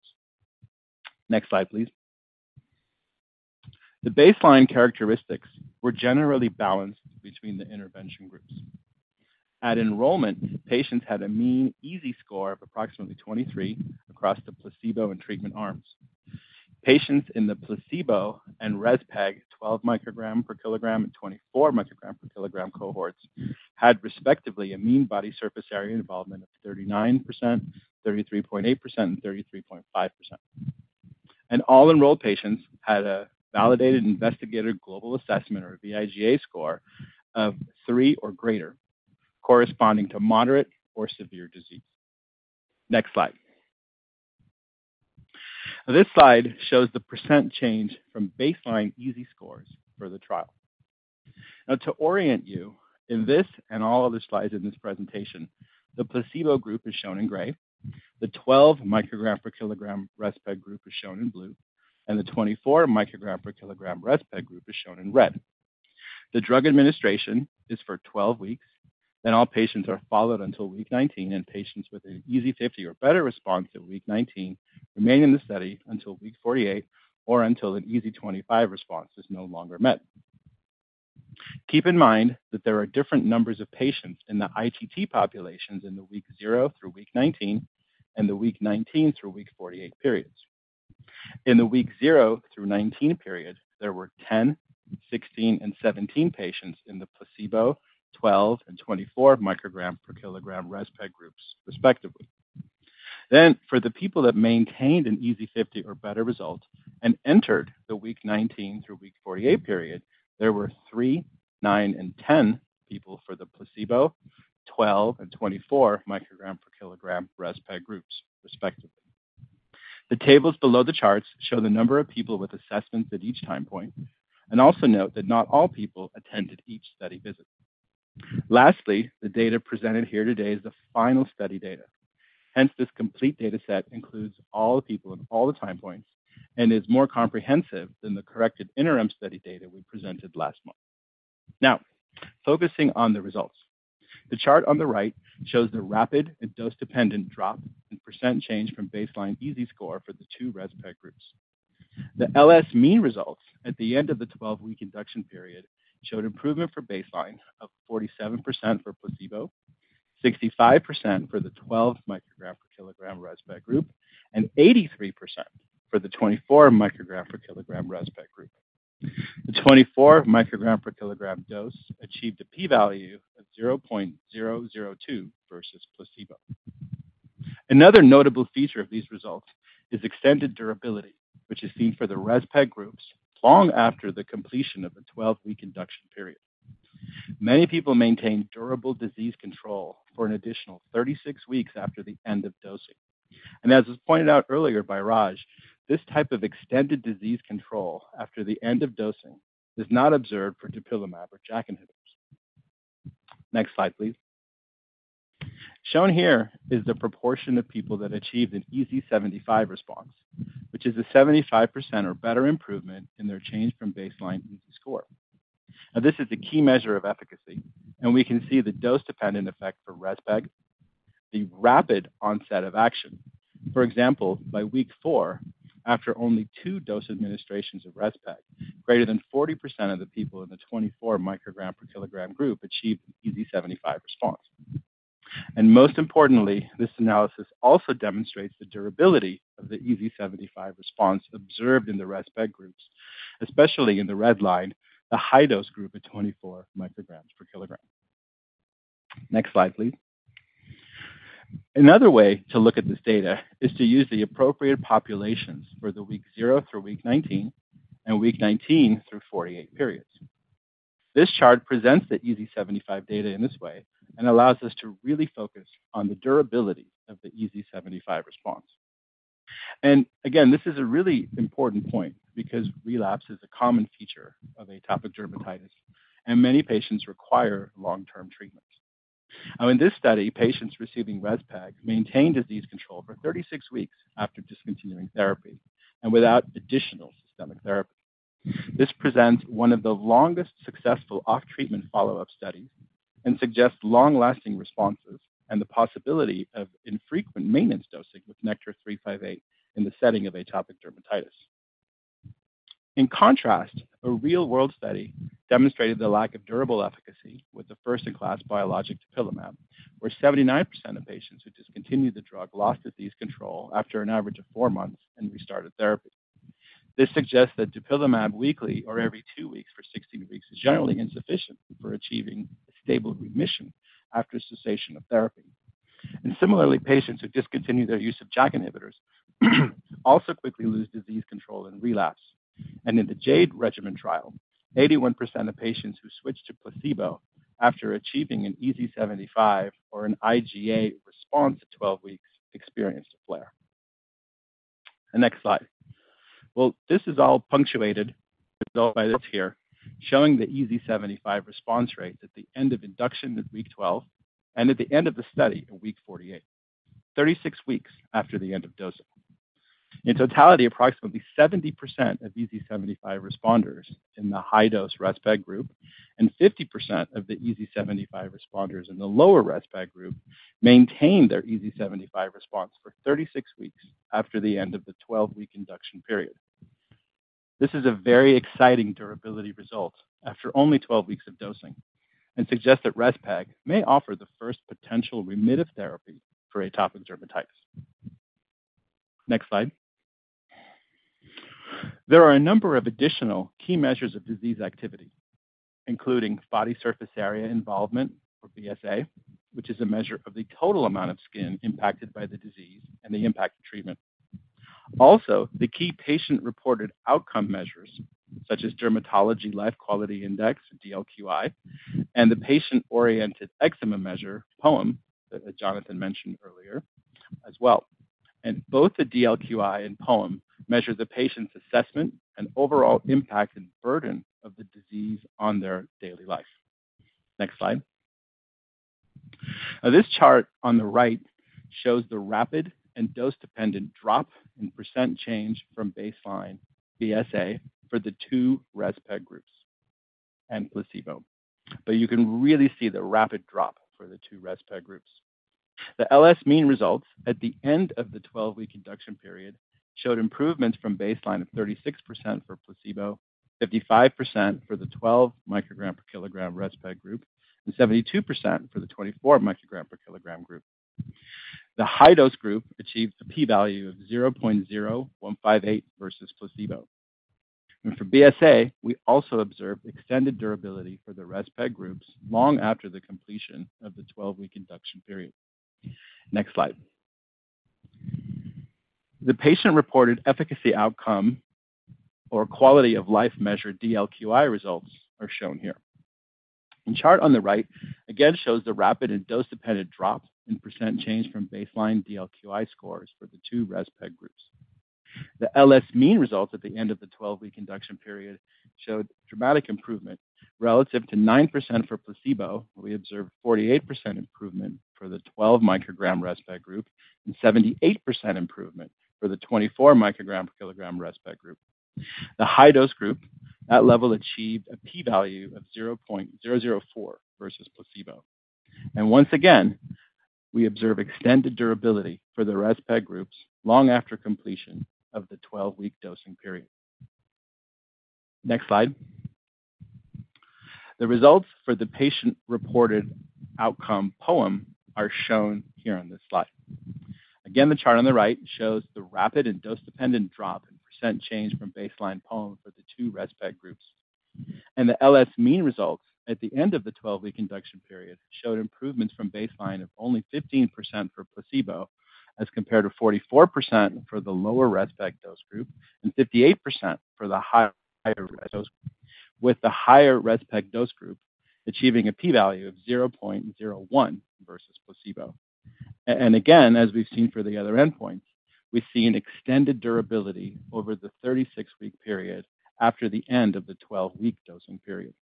Next slide, please. The baseline characteristics were generally balanced between the intervention groups. At enrollment, patients had a mean EASI score of approximately 23 across the placebo and treatment arms. Patients in the placebo and Rezpeg 12 microgram per kilogram and 24 microgram per kilogram cohorts had, respectively, a mean body surface area involvement of 39%, 33.8%, and 33.5% and all enrolled patients had a Validated Investigator Global Assessment or vIGA score of 3 or greater, corresponding to moderate or severe disease. Next slide. This slide shows the percent change from baseline EASI scores for the trial. Now, to orient you in this and all other slides in this presentation, the placebo group is shown in gray, the 12 microgram per kilogram Rezpeg group is shown in blue, and the 24 microgram per kilogram Rezpeg group is shown in red. The drug administration is for 12 weeks, and all patients are followed until week 19, and patients with an EASI-50 or better response at week 19 remain in the study until week 48 or until an EASI-25 response is no longer met. Keep in mind that there are different numbers of patients in the ITT populations in the week zero through week 19 and the week 19 through week 48 periods. In the week zero through 19 period, there were 10, 16, and 17 patients in the placebo, 12 and 24 microgram per kilogram Rezpeg groups respectively. Then, for the people that maintained an EASI-50 or better result and entered the week 19 through week 48 period, there were three, nine, and 10 people for the placebo, 12 and 24 microgram per kilogram Rezpeg groups, respectively. The tables below the charts show the number of people with assessments at each time point and also note that not all people attended each study visit. Lastly, the data presented here today is the final study data. Hence, this complete data set includes all the people at all the time points and is more comprehensive than the corrected interim study data we presented last month. Now, focusing on the results. The chart on the right shows the rapid and dose-dependent drop in % change from baseline EASI score for the two Rezpeg groups. The LS mean results at the end of the 12-week induction period showed improvement for baseline of 47% for placebo, 65% for the 12 microgram per kilogram Rezpeg group, and 83% for the 24 microgram per kilogram Rezpeg group. The 24 microgram per kilogram dose achieved a P value of 0.002 versus placebo. Another notable feature of these results is extended durability, which is seen for the Rezpeg groups long after the completion of the 12-week induction period. Many people maintain durable disease control for an additional 36 weeks after the end of dosing. As was pointed out earlier by Raj, this type of extended disease control after the end of dosing is not observed for dupilumab or JAK inhibitors. Next slide, please. Shown here is the proportion of people that achieved an EASI-75 response, which is a 75% or better improvement in their change from baseline EASI score. Now, this is the key measure of efficacy, and we can see the dose-dependent effect for Respeg, the rapid onset of action. For example, by week 4, after only 2 dose administrations of Respeg, greater than 40% of the people in the 24 microgram per kilogram group achieved an EASI-75 response. And most importantly, this analysis also demonstrates the durability of the EASI-75 response observed in the Respeg groups, especially in the red line, the high-dose group at 24 micrograms per kilogram. Next slide, please. Another way to look at this data is to use the appropriate populations for the week 0 through week 19 and week 19 through 48 periods. This chart presents the EASI-75 data in this way and allows us to really focus on the durability of the EASI-75 response. Again, this is a really important point because relapse is a common feature of atopic dermatitis, and many patients require long-term treatments. Now, in this study, patients receiving Rezpeg maintained disease control for 36 weeks after discontinuing therapy and without additional systemic therapy. This presents one of the longest successful off-treatment follow-up studies and suggests long-lasting responses and the possibility of infrequent maintenance dosing with NKTR-358 in the setting of atopic dermatitis. In contrast, a real-world study demonstrated the lack of durable efficacy with the first-in-class biologic dupilumab, where 79% of patients who discontinued the drug lost disease control after an average of 4 months and restarted therapy. This suggests that dupilumab weekly or every two weeks for 16 weeks is generally insufficient for achieving a stable remission after cessation of therapy. Similarly, patients who discontinue their use of JAK inhibitors also quickly lose disease control and relapse. In the JADE Regimen trial, 81% of patients who switched to placebo after achieving an EASI-75 or an IGA response at 12 weeks experienced a flare. The next slide. Well, this is all punctuated by this here, showing the EASI-75 response rate at the end of induction at week 12 and at the end of the study at week 48, 36 weeks after the end of dosing. In totality, approximately 70% of EASI-75 responders in the high-dose Rezpeg group and 50% of the EASI-75 responders in the lower Rezpeg group maintained their EASI-75 response for 36 weeks after the end of the 12-week induction period. This is a very exciting durability result after only 12 weeks of dosing and suggests that Rezpeg may offer the first potential remittive therapy for atopic dermatitis. Next slide. There are a number of additional key measures of disease activity, including body surface area involvement, or BSA, which is a measure of the total amount of skin impacted by the disease and the impact of treatment. Also, the key patient-reported outcome measures, such as Dermatology Life Quality Index, DLQI, and the Patient-Oriented Eczema Measure, POEM, that Jonathan mentioned earlier as well. Both the DLQI and POEM measure the patient's assessment and overall impact and burden of the disease on their daily life. Next slide. Now, this chart on the right shows the rapid and dose-dependent drop in % change from baseline BSA for the two Rezpeg groups and placebo. But you can really see the rapid drop for the two Rezpeg groups. The LS mean results at the end of the 12-week induction period showed improvements from baseline of 36% for placebo, 55% for the 12 microgram per kilogram Rezpeg group, and 72% for the 24 microgram per kilogram group. The high-dose group achieved a p-value of 0.0158 versus placebo. And for BSA, we also observed extended durability for the Rezpeg groups long after the completion of the 12-week induction period. Next slide. The patient-reported efficacy outcome or quality-of-life measure, DLQI results, are shown here. The chart on the right again shows the rapid and dose-dependent drops in percent change from baseline DLQI scores for the two Rezpeg groups. The LS mean results at the end of the 12-week induction period showed dramatic improvement. Relative to 9% for placebo, we observed 48% improvement for the 12 microgram Rezpeg group and 78% improvement for the 24 microgram per kilogram Rezpeg group. The high-dose group, that level achieved a p-value of 0.004 versus placebo. And once again, we observe extended durability for the Rezpeg groups long after completion of the 12-week dosing period. Next slide. The results for the patient-reported outcome, POEM, are shown here on this slide. Again, the chart on the right shows the rapid and dose-dependent drop in percent change from baseline POEM for the two Rezpeg groups. And the LS mean results at the end of the 12-week induction period showed improvements from baseline of only 15% for placebo, as compared to 44% for the lower Rezpeg dose group and 58% for the higher Rezpeg dose, with the higher Rezpeg dose group achieving a p-value of 0.01 versus placebo. And again, as we've seen for the other endpoints, we've seen extended durability over the 36-week period after the end of the 12-week dosing period.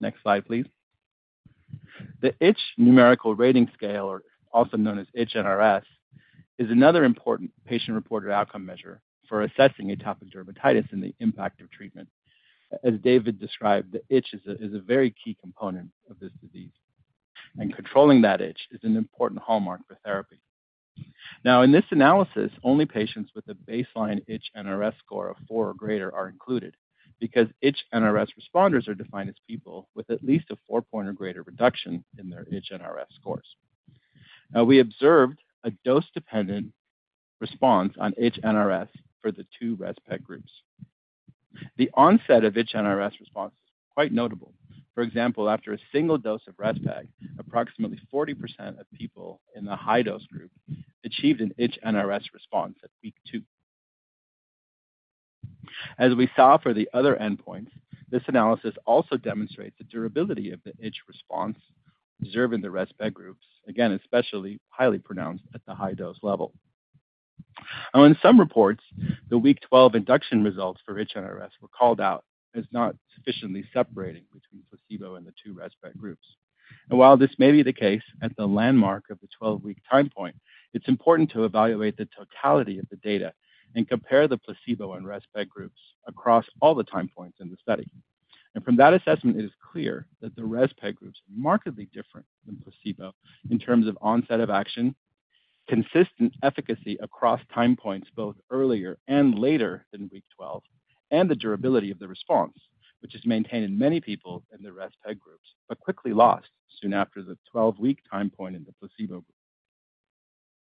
Next slide, please. The Itch Numerical Rating Scale, or also known as ITCH NRS, is another important patient-reported outcome measure for assessing atopic dermatitis and the impact of treatment. As David described, the itch is a very key component of this disease, and controlling that itch is an important hallmark for therapy. Now, in this analysis, only patients with a baseline itch NRS score of four or greater are included because itch NRS responders are defined as people with at least a four-point or greater reduction in their itch NRS scores. Now, we observed a dose-dependent response on itch NRS for the two Rezpeg groups. The onset of itch NRS response is quite notable. For example, after a single dose of Rezpeg, approximately 40% of people in the high-dose group achieved an itch NRS response at week two. As we saw for the other endpoints, this analysis also demonstrates the durability of the itch response observed in the Rezpeg groups, again, especially highly pronounced at the high-dose level. Now, in some reports, the week 12 induction results for itch NRS were called out as not sufficiently separating between placebo and the two Rezpeg groups. While this may be the case at the landmark of the 12-week time point, it's important to evaluate the totality of the data and compare the placebo and Rezpeg groups across all the time points in the study. From that assessment, it is clear that the Rezpeg group's markedly different than placebo in terms of onset of action, consistent efficacy across time points, both earlier and later than week 12, and the durability of the response, which is maintained in many people in the Rezpeg groups, but quickly lost soon after the 12-week time point in the placebo group.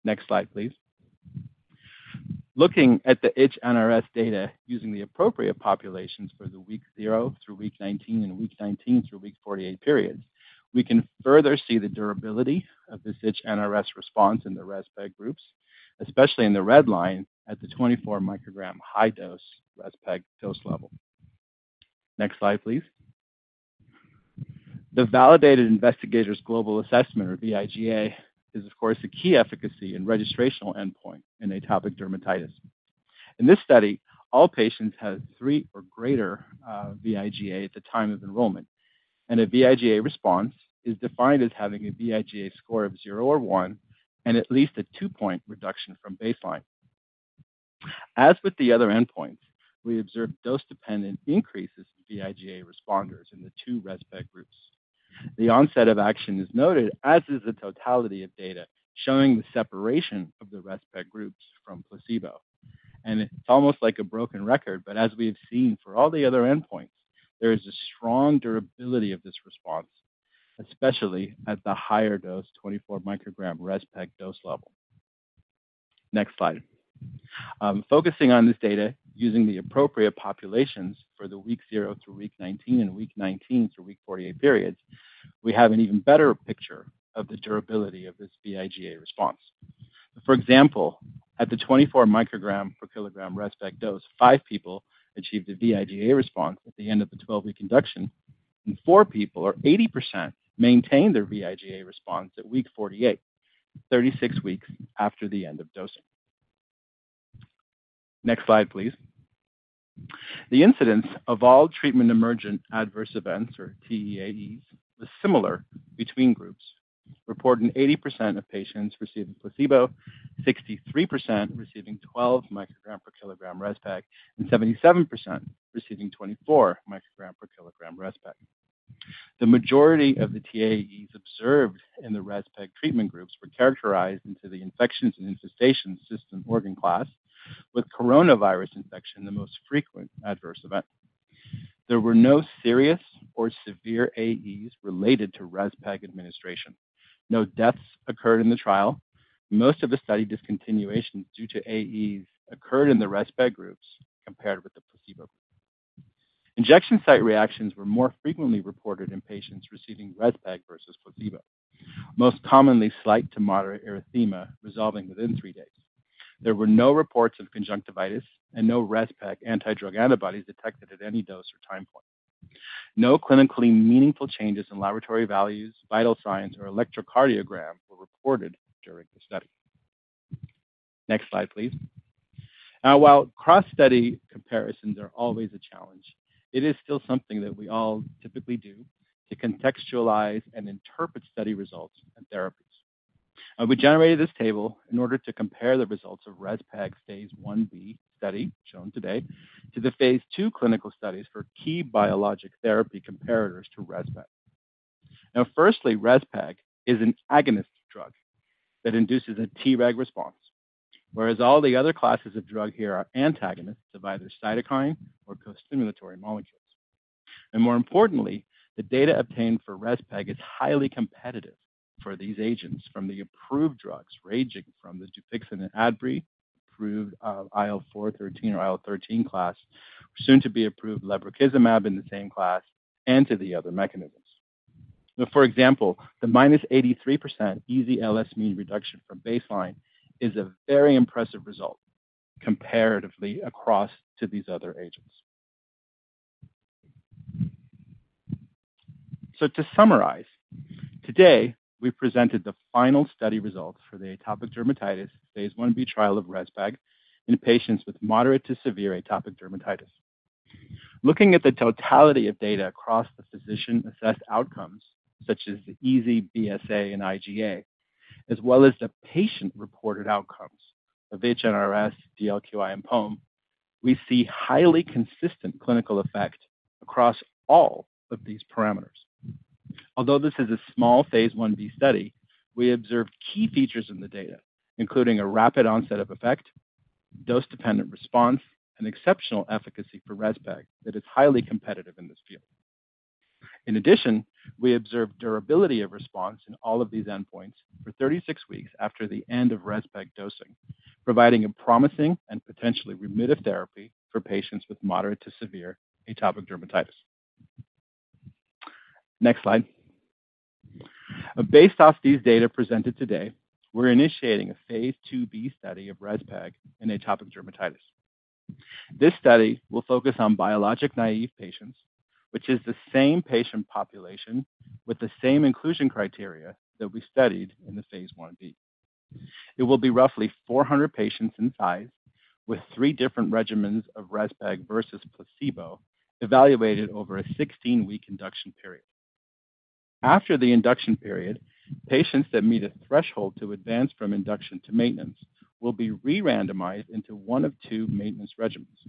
Next slide, please. Looking at the ITCH NRS data using the appropriate populations for the week 0 through week 19 and week 19 through week 48 periods, we can further see the durability of this ITCH NRS response in the Rezpeg groups, especially in the red line at the 24-microgram high-dose Rezpeg dose level. Next slide, please. The Validated Investigator's Global Assessment, or vIGA, is of course, a key efficacy and registrational endpoint in atopic dermatitis. In this study, all patients had 3 or greater, vIGA at the time of enrollment, and a vIGA response is defined as having a vIGA score of zero or one and at least a two-point reduction from baseline. As with the other endpoints, we observed dose-dependent increases in vIGA responders in the two Rezpeg groups. The onset of action is noted, as is the totality of data showing the separation of the Rezpeg groups from placebo. It's almost like a broken record, but as we have seen for all the other endpoints, there is a strong durability of this response, especially at the higher dose, 24 microgram Rezpeg dose level. Next slide. Focusing on this data, using the appropriate populations for the week 0 through week 19 and week 19 through week 48 periods, we have an even better picture of the durability of this vIGA response. For example, at the 24 microgram per kilogram Rezpeg dose, five people achieved a vIGA response at the end of the 12-week induction, and four people, or 80%, maintained their vIGA response at week 48, 36 weeks after the end of dosing. Next slide, please. The incidence of all treatment-emergent adverse events, or TEAEs, was similar between groups, reporting 80% of patients receiving placebo, 63% receiving 12 microgram per kilogram Rezpeg, and 77% receiving 24 microgram per kilogram Rezpeg. The majority of the TEAEs observed in the Rezpeg treatment groups were characterized into the infections and infestations system organ class, with coronavirus infection the most frequent adverse event. There were no serious or severe AEs related to Rezpeg administration. No deaths occurred in the trial. Most of the study discontinuations due to AEs occurred in the Rezpeg groups compared with the placebo. Injection site reactions were more frequently reported in patients receiving Rezpeg versus placebo, most commonly slight to moderate erythema resolving within three days. There were no reports of conjunctivitis and no Rezpeg anti-drug antibodies detected at any dose or time point. No clinically meaningful changes in laboratory values, vital signs, or electrocardiogram were reported during the study. Next slide, please. Now, while cross-study comparisons are always a challenge, it is still something that we all typically do to contextualize and interpret study results and therapies. We generated this table in order to compare the results of Rezpeg's phase Ib study, shown today, to the phase II clinical studies for key biologic therapy comparators to Rezpeg. Now, firstly, Rezpeg is an agonist drug that induces a Treg response, whereas all the other classes of drug here are antagonists of either cytokine or costimulatory molecules. More importantly, the data obtained for Rezpeg is highly competitive for these agents. From the approved drugs, ranging from the Dupixent and Adbry, approved, IL-4/13 or IL-13 class, soon to be approved lebrikizumab in the same class, and to the other mechanisms. For example, the -83% EASI LS mean reduction from baseline is a very impressive result comparatively across to these other agents. So to summarize, today, we presented the final study results for the atopic dermatitis phase Ib trial of Respeg in patients with moderate to severe atopic dermatitis. Looking at the totality of data across the physician-assessed outcomes, such as the EASI, BSA, and IGA, as well as the patient-reported outcomes of NRS, DLQI, and POEM, we see highly consistent clinical effect across all of these parameters. Although this is a small phase Ib study, we observed key features in the data, including a rapid onset of effect, dose-dependent response, and exceptional efficacy for Respeg that is highly competitive in this field. In addition, we observed durability of response in all of these endpoints for 36 weeks after the end of Rezpeg dosing, providing a promising and potentially remittive therapy for patients with moderate to severe atopic dermatitis. Next slide. Based off these data presented today, we're initiating a phase IIb study of Rezpeg in atopic dermatitis. This study will focus on biologic-naive patients, which is the same patient population with the same inclusion criteria that we studied in the phase Ib. It will be roughly 400 patients in size, with three different regimens of Rezpeg versus placebo, evaluated over a 16-week induction period. After the induction period, patients that meet a threshold to advance from induction to maintenance will be re-randomized into one of two maintenance regimens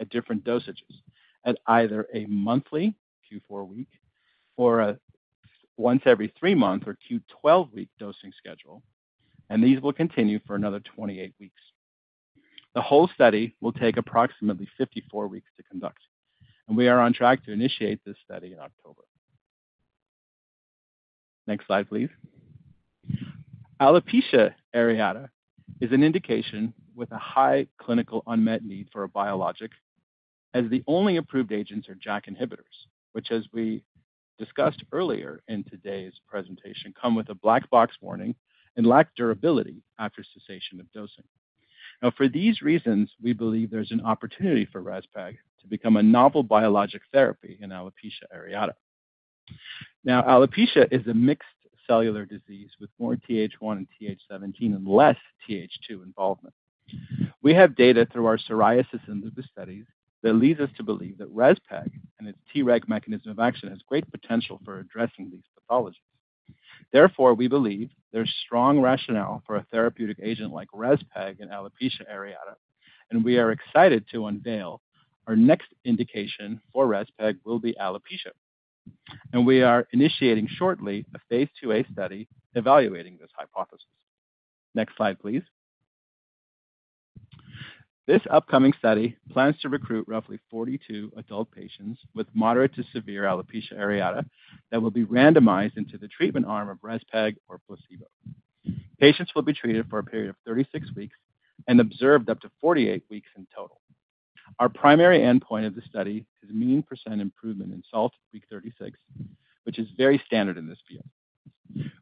at different dosages at either a monthly, Q4 week, or a once every three month, or Q12-week dosing schedule, and these will continue for another 28 weeks. The whole study will take approximately 54 weeks to conduct, and we are on track to initiate this study in October. Next slide, please. Alopecia areata is an indication with a high clinical unmet need for a biologic, as the only approved agents are JAK inhibitors, which, as we discussed earlier in today's presentation, come with a black box warning and lack durability after cessation of dosing. Now, for these reasons, we believe there's an opportunity for Rezpeg to become a novel biologic therapy in alopecia areata. Now, alopecia is a mixed cellular disease with more Th1 and Th17 and less Th2 involvement. We have data through our psoriasis and lupus studies that leads us to believe that Rezpeg and its Treg mechanism of action has great potential for addressing these pathologies. Therefore, we believe there's strong rationale for a therapeutic agent like Rezpeg in alopecia areata, and we are excited to unveil our next indication for Rezpeg will be alopecia, and we are initiating shortly a phase IIa study evaluating this hypothesis. Next slide, please.... This upcoming study plans to recruit roughly 42 adult patients with moderate to severe alopecia areata that will be randomized into the treatment arm of Rezpeg or placebo. Patients will be treated for a period of 36 weeks and observed up to 48 weeks in total. Our primary endpoint of the study is mean percent improvement in SALT week 36, which is very standard in this field.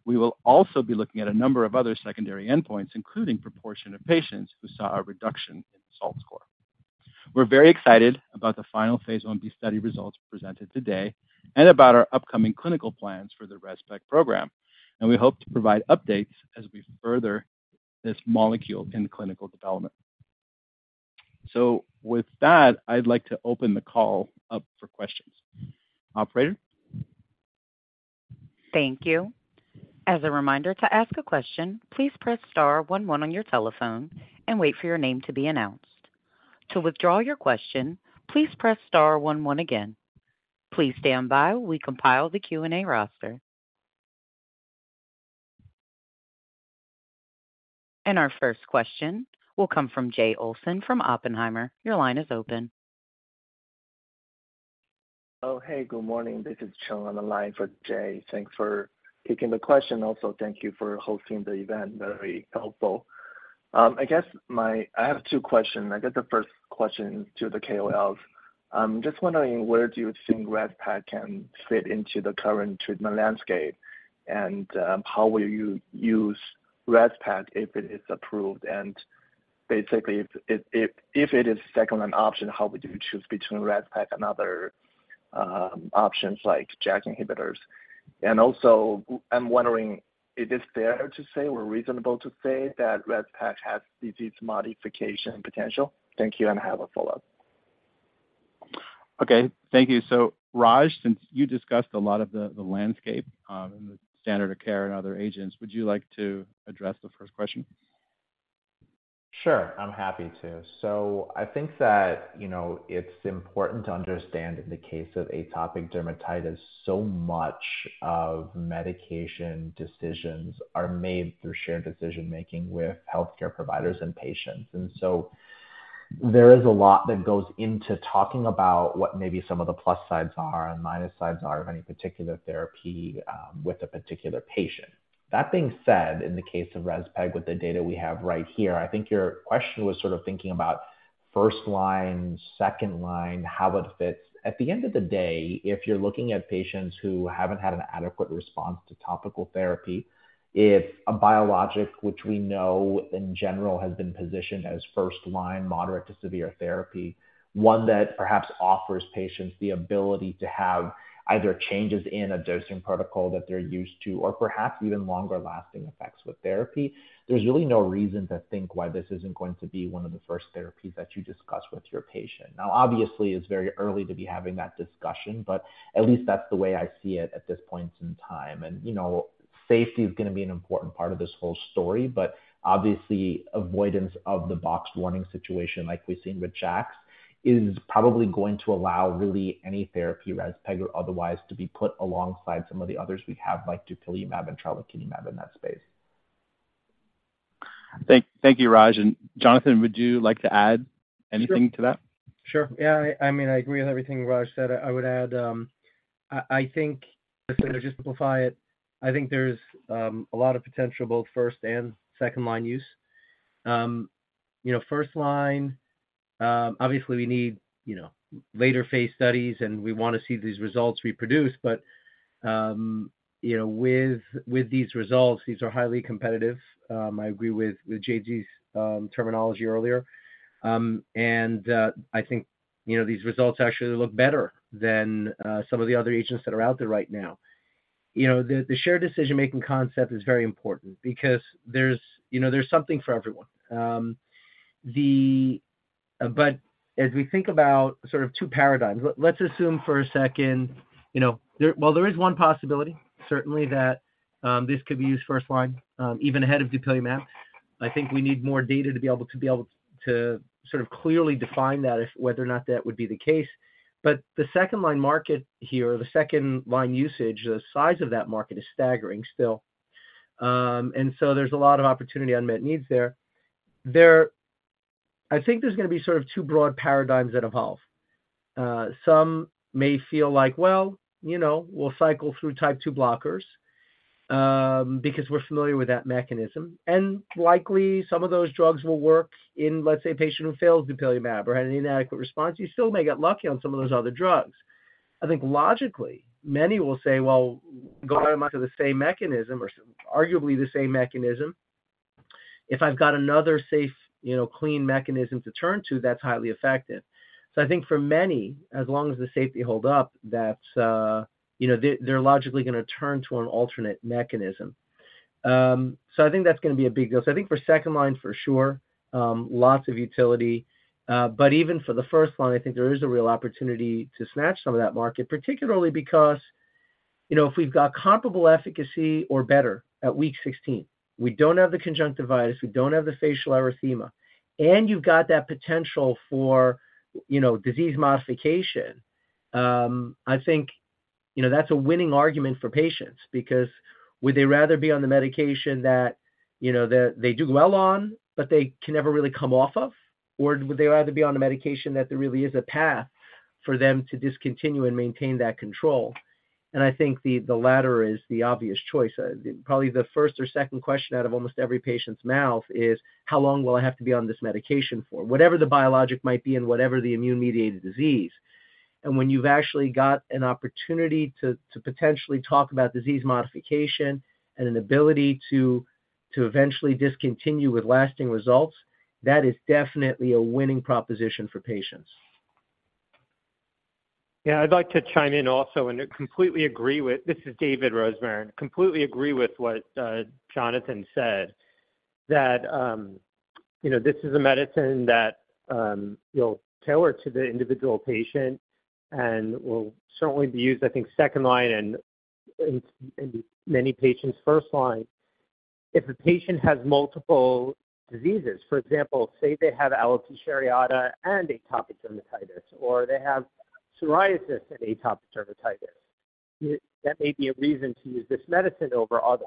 We will also be looking at a number of other secondary endpoints, including proportion of patients who saw a reduction in SALT score. We're very excited about the final phase Ib study results presented today and about our upcoming clinical plans for the Rezpeg program, and we hope to provide updates as we further this molecule in clinical development. So with that, I'd like to open the call up for questions. Operator? Thank you. As a reminder to ask a question, please press star one one on your telephone and wait for your name to be announced. To withdraw your question, please press star one one again. Please stand by. We compile the Q&A roster. Our first question will come from Jay Olson from Oppenheimer. Your line is open. Oh, hey, good morning. This is Cheng on the line for Jay. Thanks for taking the question. Also, thank you for hosting the event. Very helpful. I guess my—I have two questions. I guess the first question to the KOLs. Just wondering, where do you think Rezpeg can fit into the current treatment landscape? And, how will you use Rezpeg if it is approved? And basically, if, if, if it is second line option, how would you choose between Rezpeg and other, options like JAK inhibitors? And also, I'm wondering, is it fair to say or reasonable to say that Rezpeg has disease modification potential? Thank you, and I have a follow-up. Okay, thank you. So, Raj, since you discussed a lot of the landscape, and the standard of care and other agents, would you like to address the first question? Sure, I'm happy to. So I think that, you know, it's important to understand in the case of atopic dermatitis, so much of medication decisions are made through shared decision-making with healthcare providers and patients. And so there is a lot that goes into talking about what maybe some of the plus sides are and minus sides are of any particular therapy, with a particular patient. That being said, in the case of Rezpeg, with the data we have right here, I think your question was sort of thinking about first line, second line, how it fits. At the end of the day, if you're looking at patients who haven't had an adequate response to topical therapy, if a biologic, which we know in general, has been positioned as first line, moderate to severe therapy, one that perhaps offers patients the ability to have either changes in a dosing protocol that they're used to or perhaps even longer-lasting effects with therapy, there's really no reason to think why this isn't going to be one of the first therapies that you discuss with your patient. Now, obviously, it's very early to be having that discussion, but at least that's the way I see it at this point in time. You know, safety is going to be an important part of this whole story, but obviously avoidance of the box warning situation, like we've seen with JAKs, is probably going to allow really any therapy, Rezpeg or otherwise, to be put alongside some of the others we have, like dupilumab and tralokinumab in that space. Thank you, Raj. And Jonathan, would you like to add anything to that? Sure. Yeah, I mean, I agree with everything Raj said. I would add, I think to simplify it, I think there's a lot of potential, both first and second line use. You know, first line, obviously we need, you know, later phase studies, and we want to see these results reproduced. But, you know, with these results, these are highly competitive. I agree with Jay's terminology earlier. And I think, you know, these results actually look better than some of the other agents that are out there right now. You know, the shared decision-making concept is very important because there's, you know, there's something for everyone. But as we think about sort of two paradigms, let's assume for a second, you know, there... Well, there is one possibility, certainly, that this could be used first line, even ahead of dupilumab. I think we need more data to be able to sort of clearly define that, whether or not that would be the case. But the second line market here, the second line usage, the size of that market is staggering still. And so there's a lot of opportunity, unmet needs there. I think there's going to be sort of two broad paradigms that evolve. Some may feel like, well, you know, we'll cycle through type two blockers, because we're familiar with that mechanism, and likely some of those drugs will work in, let's say, a patient who fails dupilumab or had an inadequate response. You still may get lucky on some of those other drugs. I think logically, many will say, well, going back to the same mechanism or arguably the same mechanism, if I've got another safe, you know, clean mechanism to turn to, that's highly effective. So I think for many, as long as the safety hold up, that, you know, they're logically going to turn to an alternate mechanism. So I think that's going to be a big deal. So I think for second line, for sure, lots of utility, but even for the first line, I think there is a real opportunity to snatch some of that market, particularly because, you know, if we've got comparable efficacy or better at week 16, we don't have the conjunctivitis, we don't have the facial erythema, and you've got that potential for, you know, disease modification, I think-... You know, that's a winning argument for patients, because would they rather be on the medication that, you know, that they do well on but they can never really come off of? Or would they rather be on a medication that there really is a path for them to discontinue and maintain that control? And I think the, the latter is the obvious choice. Probably the first or second question out of almost every patient's mouth is: how long will I have to be on this medication for? Whatever the biologic might be and whatever the immune-mediated disease. And when you've actually got an opportunity to, to potentially talk about disease modification and an ability to, to eventually discontinue with lasting results, that is definitely a winning proposition for patients. Yeah, I'd like to chime in also, and to completely agree with... This is David Rosmarin. Completely agree with what Jonathan said, that you know, this is a medicine that you'll tailor to the individual patient and will certainly be used, I think, second line and many patients first line. If a patient has multiple diseases, for example, say they have alopecia areata and atopic dermatitis, or they have psoriasis and atopic dermatitis, that may be a reason to use this medicine over others.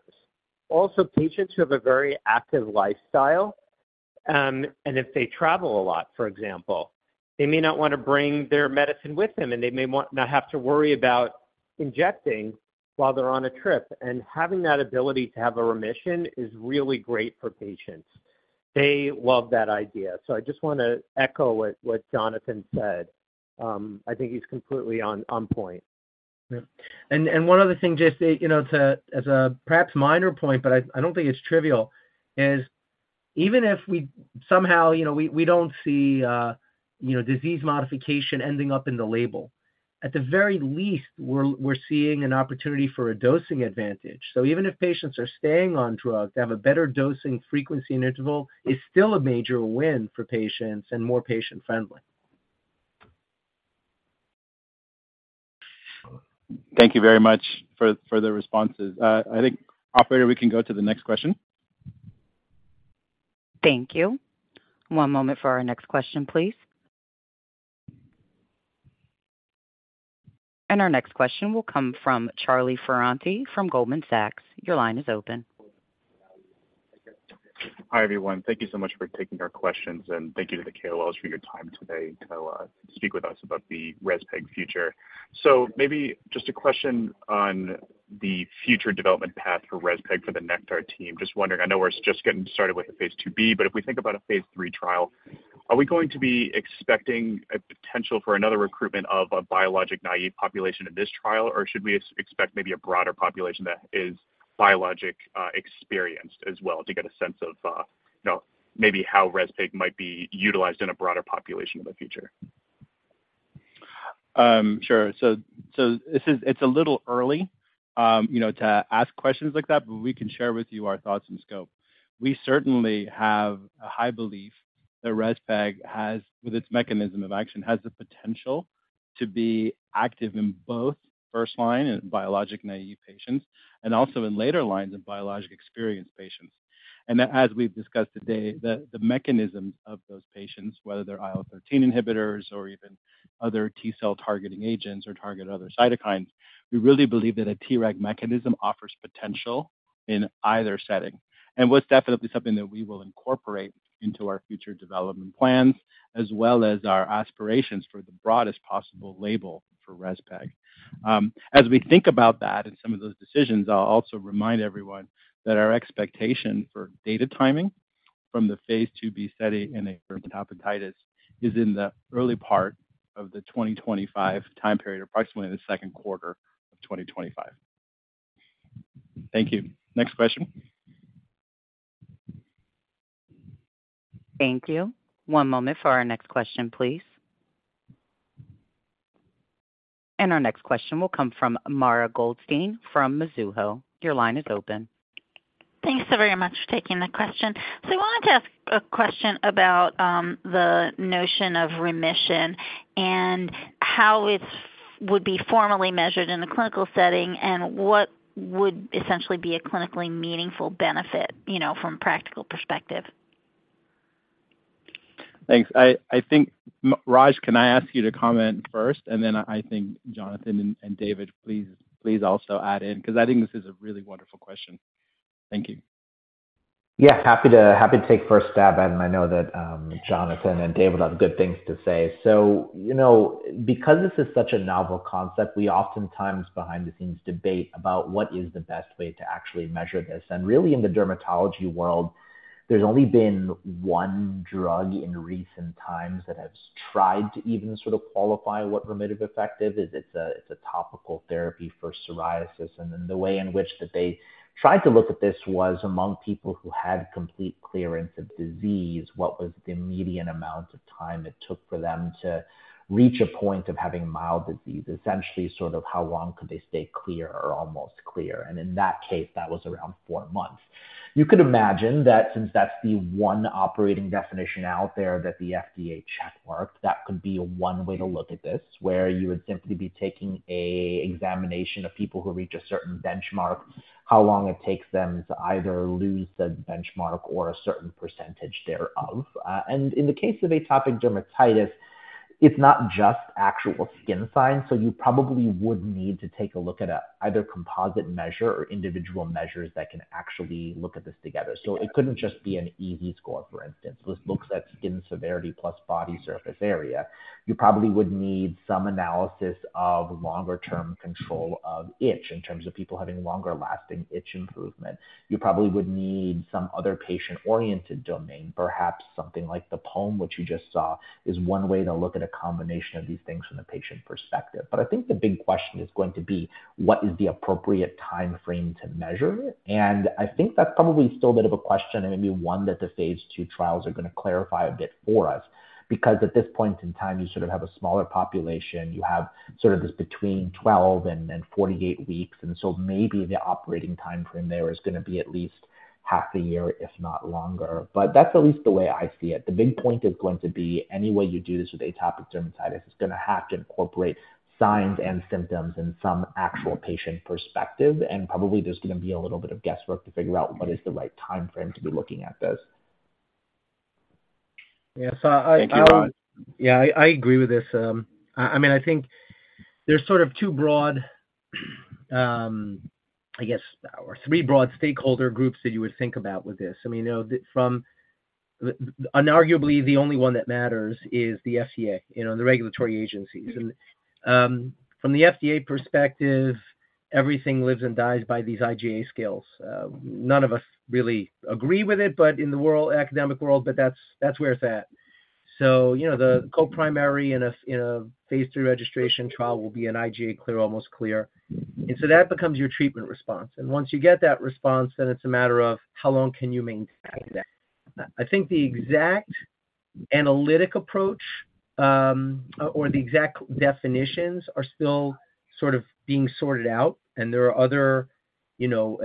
Also, patients who have a very active lifestyle and if they travel a lot, for example, they may not want to bring their medicine with them, and they may want not have to worry about injecting while they're on a trip. And having that ability to have a remission is really great for patients. They love that idea. So I just want to echo what Jonathan said. I think he's completely on point. Yeah. And one other thing, just, you know, to, as a perhaps minor point, but I don't think it's trivial, is even if we somehow, you know, we don't see, you know, disease modification ending up in the label, at the very least, we're seeing an opportunity for a dosing advantage. So even if patients are staying on drug, to have a better dosing frequency and interval is still a major win for patients and more patient-friendly. Thank you very much for the responses. I think, operator, we can go to the next question. Thank you. One moment for our next question, please. Our next question will come from Charlie Ferranti from Goldman Sachs. Your line is open. Hi, everyone. Thank you so much for taking our questions, and thank you to the KOLs for your time today to speak with us about the Rezpeg future. So maybe just a question on the future development path for Rezpeg for the Nektar team. Just wondering, I know we're just getting started with the phase IIb, but if we think about a phase III trial, are we going to be expecting a potential for another recruitment of a biologic-naive population in this trial? Or should we expect maybe a broader population that is biologic experienced as well, to get a sense of you know, maybe how Rezpeg might be utilized in a broader population in the future? Sure. So this is... It's a little early, you know, to ask questions like that, but we can share with you our thoughts and scope. We certainly have a high belief that Rezpeg has, with its mechanism of action, has the potential to be active in both first line and biologic-naive patients and also in later lines in biologic-experienced patients. As we've discussed today, the mechanisms of those patients, whether they're IL-13 inhibitors or even other T-cell targeting agents or target other cytokines, we really believe that a Treg mechanism offers potential in either setting. What's definitely something that we will incorporate into our future development plans, as well as our aspirations for the broadest possible label for Rezpeg. As we think about that and some of those decisions, I'll also remind everyone that our expectation for data timing from the phase IIb study in atopic dermatitis is in the early part of the 2025 time period, approximately in the second quarter of 2025. Thank you. Next question. Thank you. One moment for our next question, please. Our next question will come from Mara Goldstein from Mizuho. Your line is open. Thanks so very much for taking the question. I wanted to ask a question about the notion of remission and how it would be formally measured in the clinical setting, and what would essentially be a clinically meaningful benefit, you know, from a practical perspective? Thanks. I think, Raj, can I ask you to comment first? And then I think Jonathan and David, please also add in, because I think this is a really wonderful question. Thank you. Yeah, happy to, happy to take first stab at it, and I know that, Jonathan and David have good things to say. So, you know, because this is such a novel concept, we oftentimes behind the scenes debate about what is the best way to actually measure this. And really, in the dermatology world, there's only been one drug in recent times that has tried to even sort of qualify what remittive effect is. It's a, it's a topical therapy for psoriasis, and then the way in which that they tried to look at this was among people who had complete clearance of disease, what was the median amount of time it took for them to reach a point of having mild disease? Essentially, sort of how long could they stay clear or almost clear? And in that case, that was around four months. You could imagine that since that's the one operating definition out there, that the FDA checkmarked, that could be one way to look at this, where you would simply be taking an examination of people who reach a certain benchmark, how long it takes them to either lose the benchmark or a certain percentage thereof. And in the case of atopic dermatitis, it's not just actual skin signs, so you probably would need to take a look at either composite measure or individual measures that can actually look at this together. So it couldn't just be an EASI score, for instance. This looks at skin severity plus body surface area. You probably would need some analysis of longer-term control of itch, in terms of people having longer-lasting itch improvement. You probably would need some other patient-oriented domain. Perhaps something like the POEM, which you just saw, is one way to look at a combination of these things from the patient perspective. But I think the big question is going to be: What is the appropriate time frame to measure it? And I think that's probably still a bit of a question, and maybe one that the phase II trials are going to clarify a bit for us. Because at this point in time, you sort of have a smaller population. You have sort of this between 12 and then 48 weeks, and so maybe the operating time frame there is gonna be at least half a year, if not longer. But that's at least the way I see it. The big point is going to be, any way you do this with atopic dermatitis is gonna have to incorporate signs and symptoms in some actual patient perspective, and probably there's gonna be a little bit of guesswork to figure out what is the right time frame to be looking at this. Yes, Thank you, Raj. Yeah, I agree with this. I mean, I think there's sort of two broad, I guess, or three broad stakeholder groups that you would think about with this. I mean, you know, unarguably, the only one that matters is the FDA, you know, the regulatory agencies. And from the FDA perspective, everything lives and dies by these IGA scales. None of us really agree with it, but in the academic world, but that's where it's at. So, you know, the co-primary in a phase III registration trial will be an IGA clear, almost clear. And so that becomes your treatment response. And once you get that response, then it's a matter of how long can you maintain that? I think the exact analytic approach, or the exact definitions are still sort of being sorted out, and there are other, you know,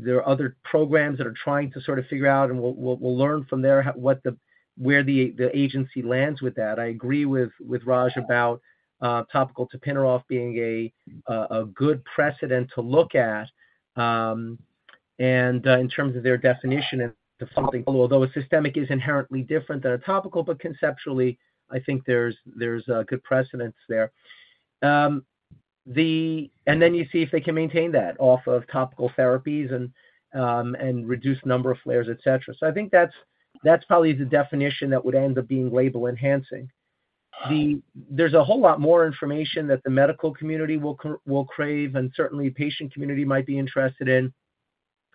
there are other programs that are trying to sort of figure out, and we'll learn from there how what the, where the, the agency lands with that. I agree with Raj about topical tapinarof being a good precedent to look at, and in terms of their definition of something, although a systemic is inherently different than a topical, but conceptually, I think there's a good precedent there. Then you see if they can maintain that off of topical therapies and reduce number of flares, et cetera. So I think that's probably the definition that would end up being label-enhancing. There's a whole lot more information that the medical community will crave, and certainly patient community might be interested in.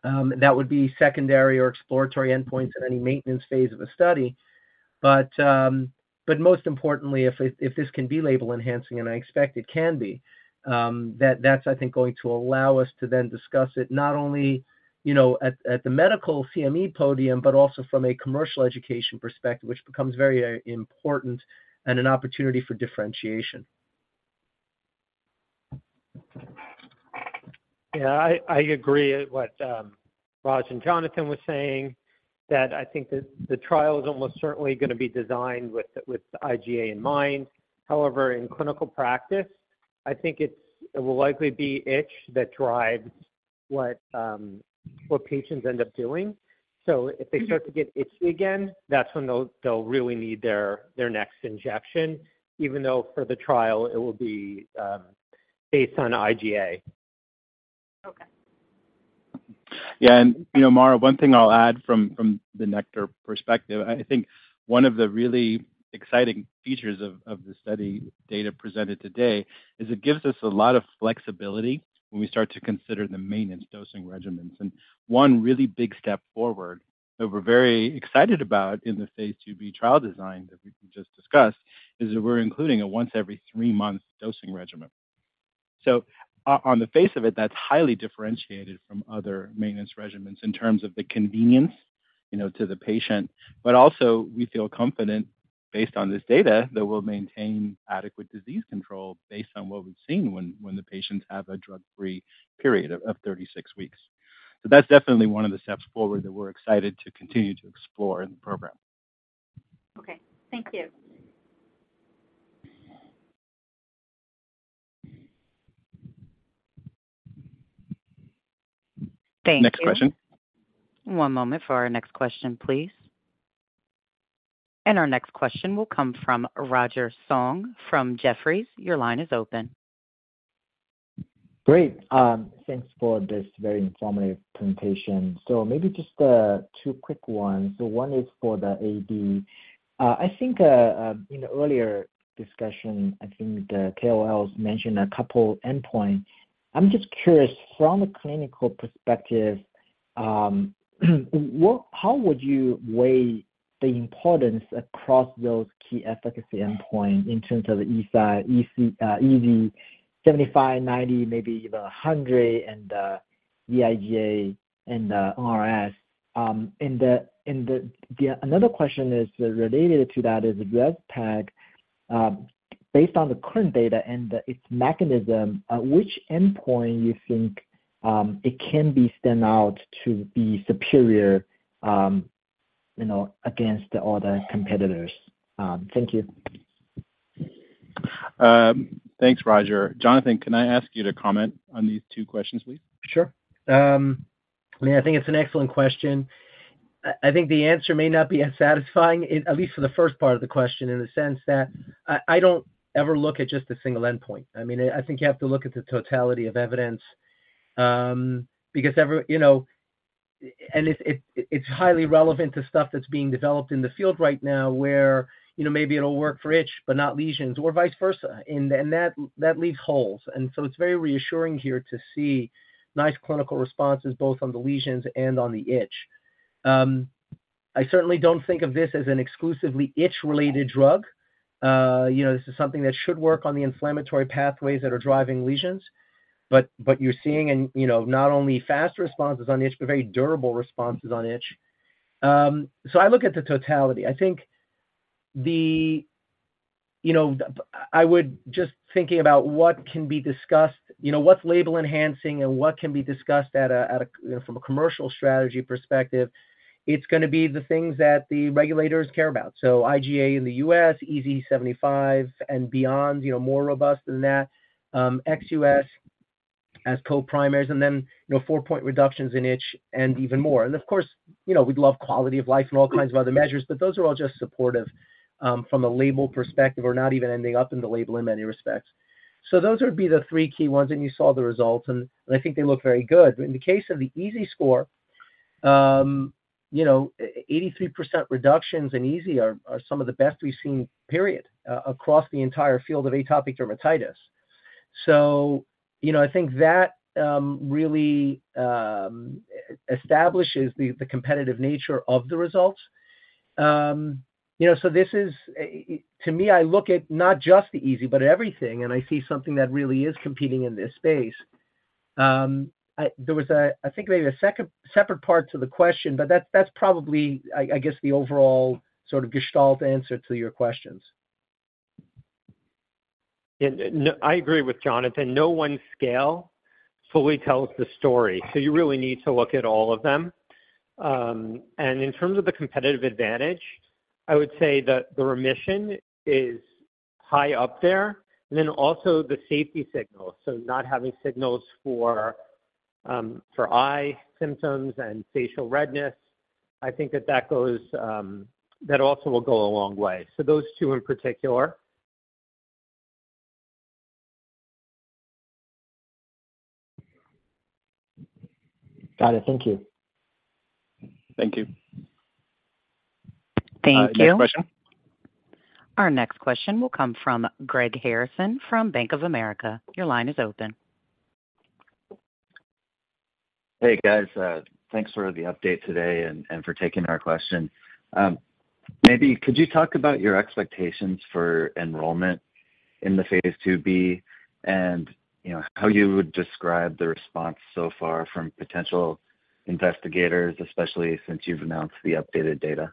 That would be secondary or exploratory endpoints in any maintenance phase of a study. But most importantly, if it, if this can be label-enhancing, and I expect it can be, that's, I think, going to allow us to then discuss it not only, you know, at the medical CME podium, but also from a commercial education perspective, which becomes very important and an opportunity for differentiation. Yeah, I agree with what Raj and Jonathan were saying, that I think the trial is almost certainly gonna be designed with IGA in mind. However, in clinical practice, I think it will likely be itch that drives what patients end up doing. So if they start to get itchy again, that's when they'll really need their next injection, even though for the trial it will be based on IGA. Okay. Yeah, and you know, Mara, one thing I'll add from the Nektar perspective, I think one of the really exciting features of the study data presented today is it gives us a lot of flexibility when we start to consider the maintenance dosing regimens. And one really big step forward that we're very excited about in the phase IIb trial design that we've just discussed, is that we're including a once every three months dosing regimen. So on the face of it, that's highly differentiated from other maintenance regimens in terms of the convenience, you know, to the patient. But also, we feel confident, based on this data, that we'll maintain adequate disease control based on what we've seen when the patients have a drug-free period of 36 weeks. That's definitely one of the steps forward that we're excited to continue to explore in the program. Okay. Thank you. Thank you. Next question. One moment for our next question, please. Our next question will come from Roger Song from Jefferies. Your line is open. Great. Thanks for this very informative presentation. So maybe just two quick ones. So one is for the AD. I think in the earlier discussion, I think the KOLs mentioned a couple endpoints. I'm just curious, from a clinical perspective, how would you weigh the importance across those key efficacy endpoints in terms of the EASI, IGA, EASI 75, 90, maybe even 100, and the IGA and the NRS? And yeah, another question related to that is the rezpegaldesleukin. Based on the current data and its mechanism, which endpoint you think it can stand out to be superior, you know, against the other competitors? Thank you. Thanks, Roger. Jonathan, can I ask you to comment on these two questions, please? Sure. I think it's an excellent question. I, I think the answer may not be as satisfying, at least for the first part of the question, in the sense that I, I don't ever look at just a single endpoint. I mean, I think you have to look at the totality of evidence, because every, you know, and it's, it's, it's highly relevant to stuff that's being developed in the field right now, where, you know, maybe it'll work for itch, but not lesions, or vice versa, and, and that, that leaves holes. And so it's very reassuring here to see nice clinical responses, both on the lesions and on the itch. I certainly don't think of this as an exclusively itch-related drug. You know, this is something that should work on the inflammatory pathways that are driving lesions. But you're seeing, you know, not only fast responses on itch, but very durable responses on itch. So I look at the totality. I think. You know, I was just thinking about what can be discussed, you know, what's label-enhancing and what can be discussed at a, you know, from a commercial strategy perspective, it's gonna be the things that the regulators care about. So IGA in the U.S., EASI-75 and beyond, you know, more robust than that, ex-U.S. as co-primaries, and then, you know, 4-point reductions in itch and even more. And of course, you know, we'd love quality of life and all kinds of other measures, but those are all just supportive, from a label perspective, or not even ending up in the label in many respects. So those would be the three key ones, and you saw the results, and I think they look very good. But in the case of the EASI score, you know, 83% reductions in EASI are some of the best we've seen, period, across the entire field of atopic dermatitis. So, you know, I think that really establishes the competitive nature of the results. You know, so this is, to me, I look at not just the EASI, but everything, and I see something that really is competing in this space. There was a, I think, maybe a second separate part to the question, but that's, that's probably, I guess, the overall sort of gestalt answer to your questions. I agree with Jonathan. No one scale fully tells the story, so you really need to look at all of them. In terms of the competitive advantage, I would say that the remission is high up there, and then also the safety signal. Not having signals for, for eye symptoms and facial redness, I think that that goes, that also will go a long way. Those two in particular. Got it. Thank you. Thank you. Thank you. Next question? Our next question will come from Greg Harrison, from Bank of America. Your line is open. Hey, guys, thanks for the update today and for taking our question. Maybe you could talk about your expectations for enrollment in the phase IIb, and, you know, how you would describe the response so far from potential investigators, especially since you've announced the updated data?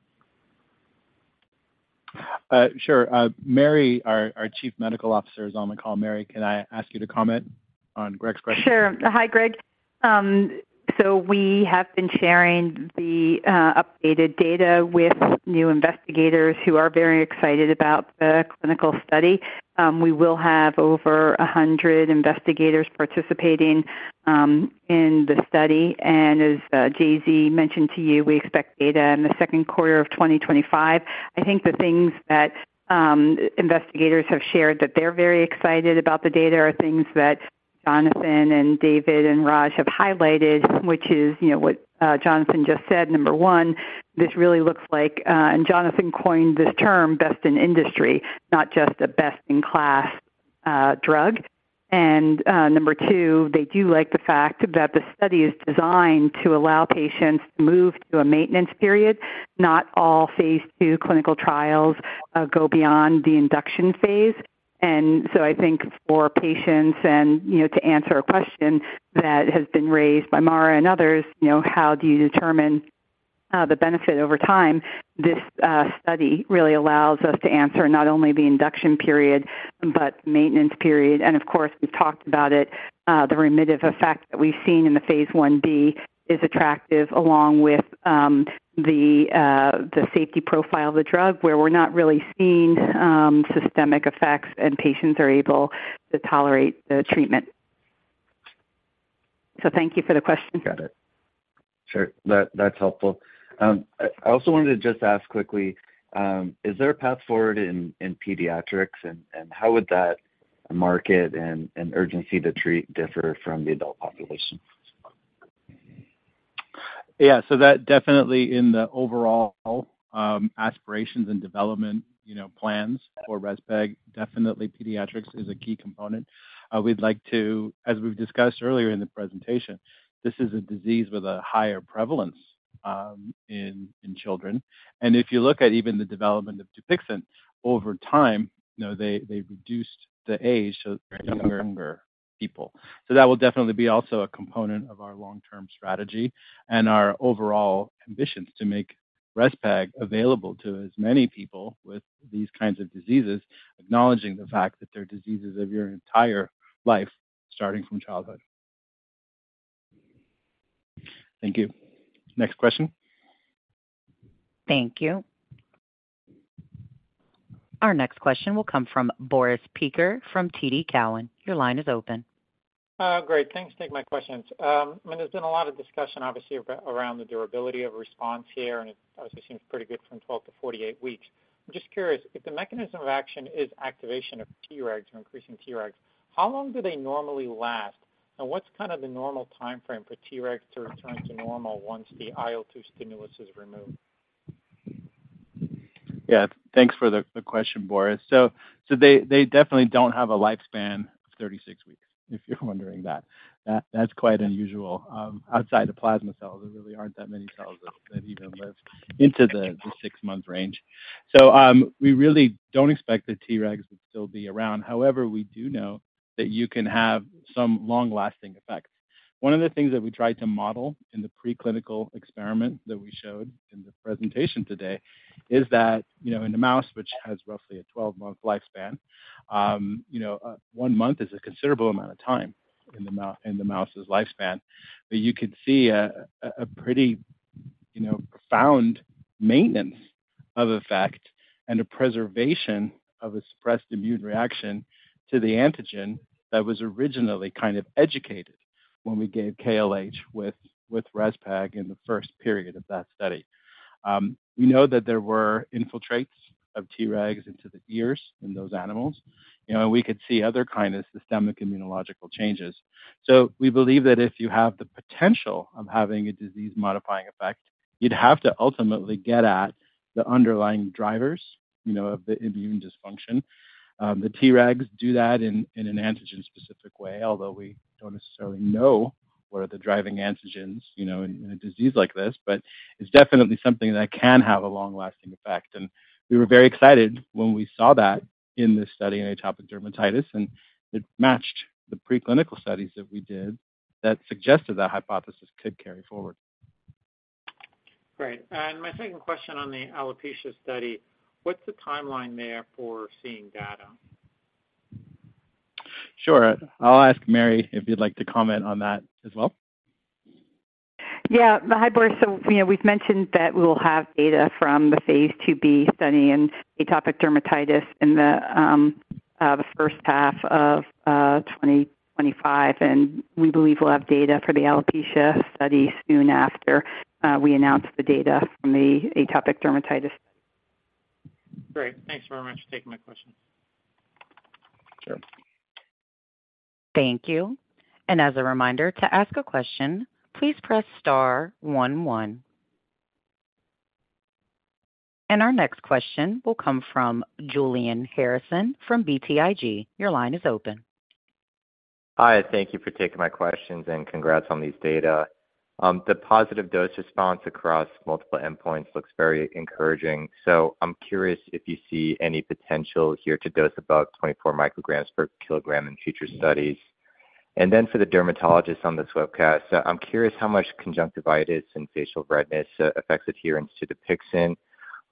Sure. Mary, our, our Chief Medical Officer, is on the call. Mary, can I ask you to comment on Greg's question? Sure. Hi, Greg. So we have been sharing the updated data with new investigators who are very excited about the clinical study. We will have over 100 investigators participating in the study, and as J.Z. mentioned to you, we expect data in the second quarter of 2025. I think the things that investigators have shared, that they're very excited about the data are things that Jonathan and David and Raj have highlighted, which is, you know, what Jonathan just said. Number one, this really looks like, and Jonathan coined this term, best in industry, not just a best-in-class drug. And number two, they do like the fact that the study is designed to allow patients to move to a maintenance period. Not all phase II clinical trials go beyond the induction phase. So I think for patients and, you know, to answer a question that has been raised by Mara and others, you know, how do you determine the benefit over time? This study really allows us to answer not only the induction period, but maintenance period. And of course, we've talked about it, the remittive effect that we've seen in the phase Ib is attractive, along with the safety profile of the drug, where we're not really seeing systemic effects, and patients are able to tolerate the treatment. So thank you for the question. Got it. Sure. That's helpful. I also wanted to just ask quickly, is there a path forward in pediatrics? And how would that market and urgency to treat differ from the adult population? Yeah. So that definitely in the overall aspirations and development, you know, plans for Rezpeg, definitely pediatrics is a key component. We'd like to, as we've discussed earlier in the presentation, this is a disease with a higher prevalence in children. And if you look at even the development of Dupixent, over time, you know, they, they've reduced the age so younger people. So that will definitely be also a component of our long-term strategy and our overall ambitions to make Rezpeg available to as many people with these kinds of diseases, acknowledging the fact that they're diseases of your entire life, starting from childhood, thank you. Next question? Thank you. Our next question will come from Boris Peaker from TD Cowen. Your line is open. Great, thanks for taking my questions. I mean, there's been a lot of discussion, obviously, around the durability of response here, and it obviously seems pretty good from 12-48 weeks. I'm just curious, if the mechanism of action is activation of Tregs or increasing Tregs, how long do they normally last? And what's kind of the normal timeframe for Tregs to return to normal once the IL-2 stimulus is removed? Yeah, thanks for the question, Boris. So, they definitely don't have a lifespan of 36 weeks, if you're wondering that. That's quite unusual. Outside of plasma cells, there really aren't that many cells that even live into the six-month range. So, we really don't expect the Tregs would still be around. However, we do know that you can have some long-lasting effects. One of the things that we tried to model in the preclinical experiment that we showed in the presentation today is that, you know, in the mouse, which has roughly a 12-month lifespan, you know, one month is a considerable amount of time in the mouse's lifespan. But you could see a pretty, you know, profound maintenance of effect and a preservation of a suppressed immune reaction to the antigen that was originally kind of educated when we gave KLH with Rezpeg in the first period of that study. We know that there were infiltrates of Tregs into the ears in those animals. You know, and we could see other kind of systemic immunological changes. So we believe that if you have the potential of having a disease-modifying effect, you'd have to ultimately get at the underlying drivers, you know, of the immune dysfunction. The Tregs do that in an antigen-specific way, although we don't necessarily know what are the driving antigens, you know, in a disease like this. But it's definitely something that can have a long-lasting effect, and we were very excited when we saw that in this study in atopic dermatitis, and it matched the preclinical studies that we did that suggested that hypothesis could carry forward. Great. And my second question on the alopecia study, what's the timeline there for seeing data? Sure. I'll ask Mary if you'd like to comment on that as well. Yeah. Hi, Boris. So, you know, we've mentioned that we will have data from the phase IIb study in atopic dermatitis in the first half of 2025, and we believe we'll have data for the alopecia study soon after we announce the data from the atopic dermatitis. Great. Thanks very much for taking my question. Sure. Thank you. And as a reminder, to ask a question, please press star one, one. And our next question will come from Julian Harrison from BTIG. Your line is open. Hi, thank you for taking my questions, and congrats on these data. The positive dose response across multiple endpoints looks very encouraging, so I'm curious if you see any potential here to dose above 24 micrograms per kilogram in future studies. And then for the dermatologists on this webcast, I'm curious how much conjunctivitis and facial redness affects adherence to Dupixent.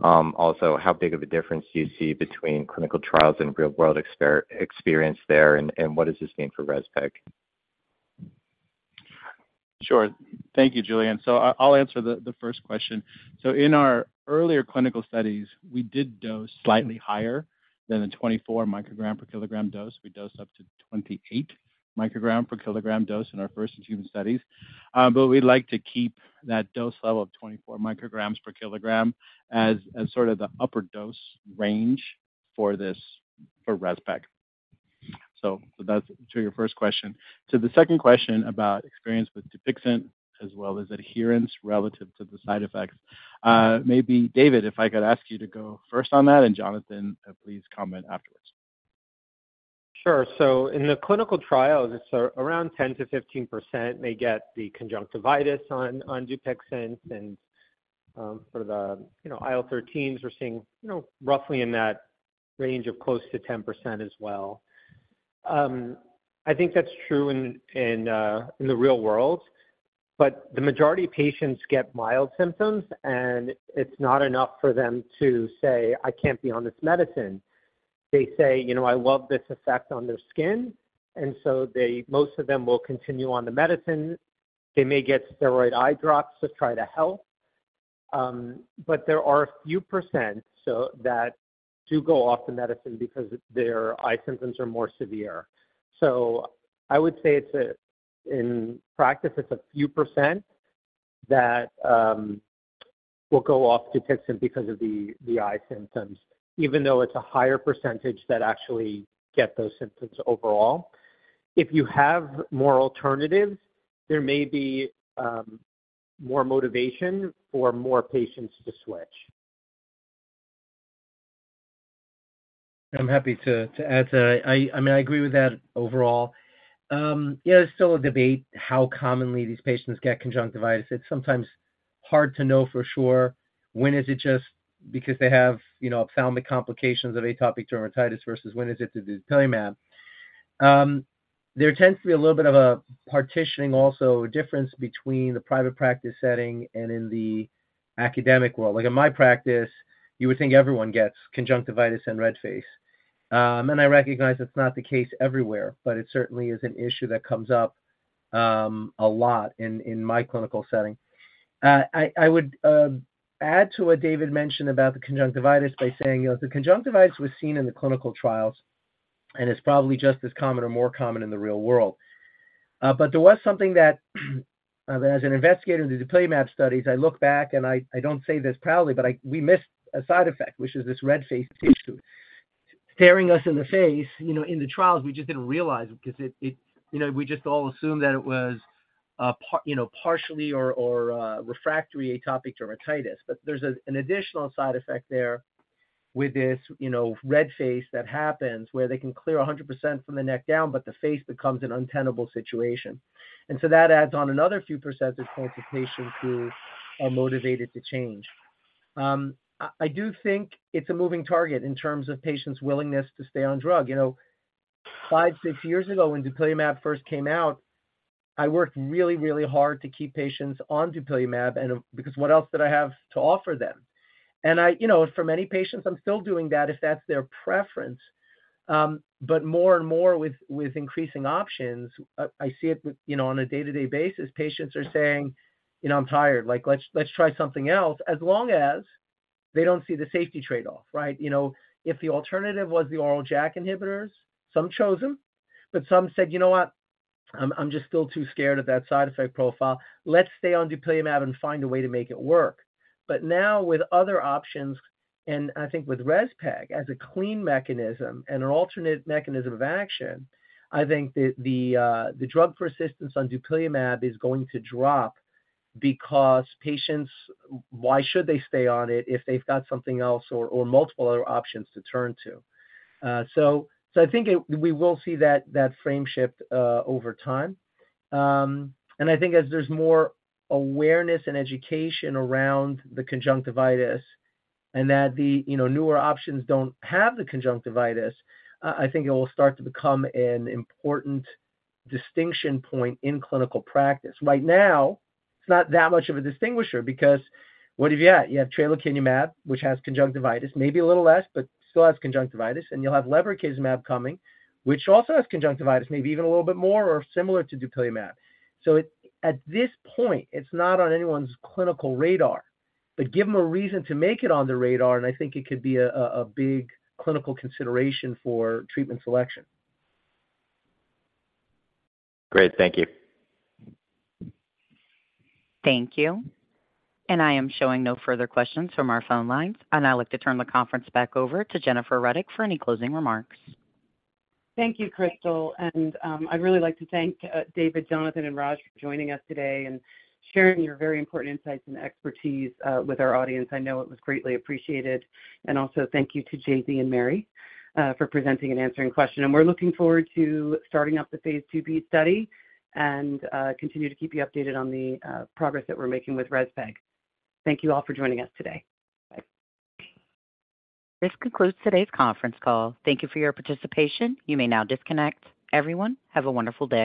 Also, how big of a difference do you see between clinical trials and real-world experience there, and what does this mean for Rezpeg? Sure. Thank you, Julian. So I'll answer the first question. So in our earlier clinical studies, we did dose slightly higher than the 24 microgram per kilogram dose. We dosed up to 28 microgram per kilogram dose in our first two human studies. But we'd like to keep that dose level of 24 micrograms per kilogram as sort of the upper dose range for this, for Rezpeg. So that's to your first question. To the second question about experience with Dupixent as well as adherence relative to the side effects, maybe David, if I could ask you to go first on that, and Jonathan, please comment afterwards. Sure. So in the clinical trials, around 10%-15% may get the conjunctivitis on Dupixent. And for the, you know, IL-13s, we're seeing, you know, roughly in that range of close to 10% as well. I think that's true in the real world, but the majority of patients get mild symptoms, and it's not enough for them to say, "I can't be on this medicine." They say, "You know, I love this effect on their skin," and so they, most of them will continue on the medicine. They may get steroid eye drops to try to help, but there are a few percent that do go off the medicine because their eye symptoms are more severe. So I would say it's a, in practice, it's a few percent that will go off Dupixent because of the eye symptoms, even though it's a higher percentage that actually get those symptoms overall. If you have more alternatives, there may be more motivation for more patients to switch. I'm happy to add to that. I mean, I agree with that overall. Yeah, there's still a debate how commonly these patients get conjunctivitis. It's sometimes hard to know for sure when is it just because they have, you know, from the complications of atopic dermatitis versus when is it the dupilumab. There tends to be a little bit of a partitioning, also a difference between the private practice setting and in the academic world. Like in my practice, you would think everyone gets conjunctivitis and red face. And I recognize it's not the case everywhere, but it certainly is an issue that comes up a lot in my clinical setting. I would add to what David mentioned about the conjunctivitis by saying, you know, the conjunctivitis was seen in the clinical trials, and it's probably just as common or more common in the real world. But there was something that, as an investigator in the dupilumab studies, I look back, and I don't say this proudly, but we missed a side effect, which is this red face issue. Staring us in the face, you know, in the trials, we just didn't realize it because it, you know, we just all assumed that it was, you know, partially or refractory atopic dermatitis. But there's an additional side effect there with this, you know, red face that happens, where they can clear 100% from the neck down, but the face becomes an untenable situation. So that adds on another few percent of patients who are motivated to change. I do think it's a moving target in terms of patients' willingness to stay on drug. You know, five, six years ago, when dupilumab first came out, I worked really, really hard to keep patients on dupilumab, and because what else did I have to offer them? And I, you know, for many patients, I'm still doing that if that's their preference. But more and more with increasing options, I see it with, you know, on a day-to-day basis, patients are saying, "You know, I'm tired. Like, let's try something else," as long as they don't see the safety trade-off, right? You know, if the alternative was the oral JAK inhibitors, some chose them, but some said, "You know what? I'm just still too scared of that side effect profile. Let's stay on dupilumab and find a way to make it work." But now, with other options, and I think with Rezpeg as a clean mechanism and an alternate mechanism of action, I think that the drug persistence on dupilumab is going to drop because patients, why should they stay on it if they've got something else or multiple other options to turn to? So, I think it, we will see that frame shift over time. And I think as there's more awareness and education around the conjunctivitis and that you know, newer options don't have the conjunctivitis, I think it will start to become an important distinction point in clinical practice. Right now, it's not that much of a distinguisher because what have you got? You have tralokinumab, which has conjunctivitis, maybe a little less, but still has conjunctivitis, and you'll have lebrikizumab coming, which also has conjunctivitis, maybe even a little bit more or similar to dupilumab. So it, at this point, it's not on anyone's clinical radar, but give them a reason to make it on the radar, and I think it could be a, a big clinical consideration for treatment selection. Great. Thank you. Thank you. I am showing no further questions from our phone lines, and I'd like to turn the conference back over to Jennifer Ruddock for any closing remarks. Thank you, Crystal. I'd really like to thank David, Jonathan, and Raj for joining us today and sharing your very important insights and expertise with our audience. I know it was greatly appreciated. Also thank you to J.Z. and Mary for presenting and answering questions. We're looking forward to starting up the phase IIb study and continue to keep you updated on the progress that we're making with Rezpeg. Thank you all for joining us today. Bye. This concludes today's conference call. Thank you for your participation. You may now disconnect. Everyone, have a wonderful day.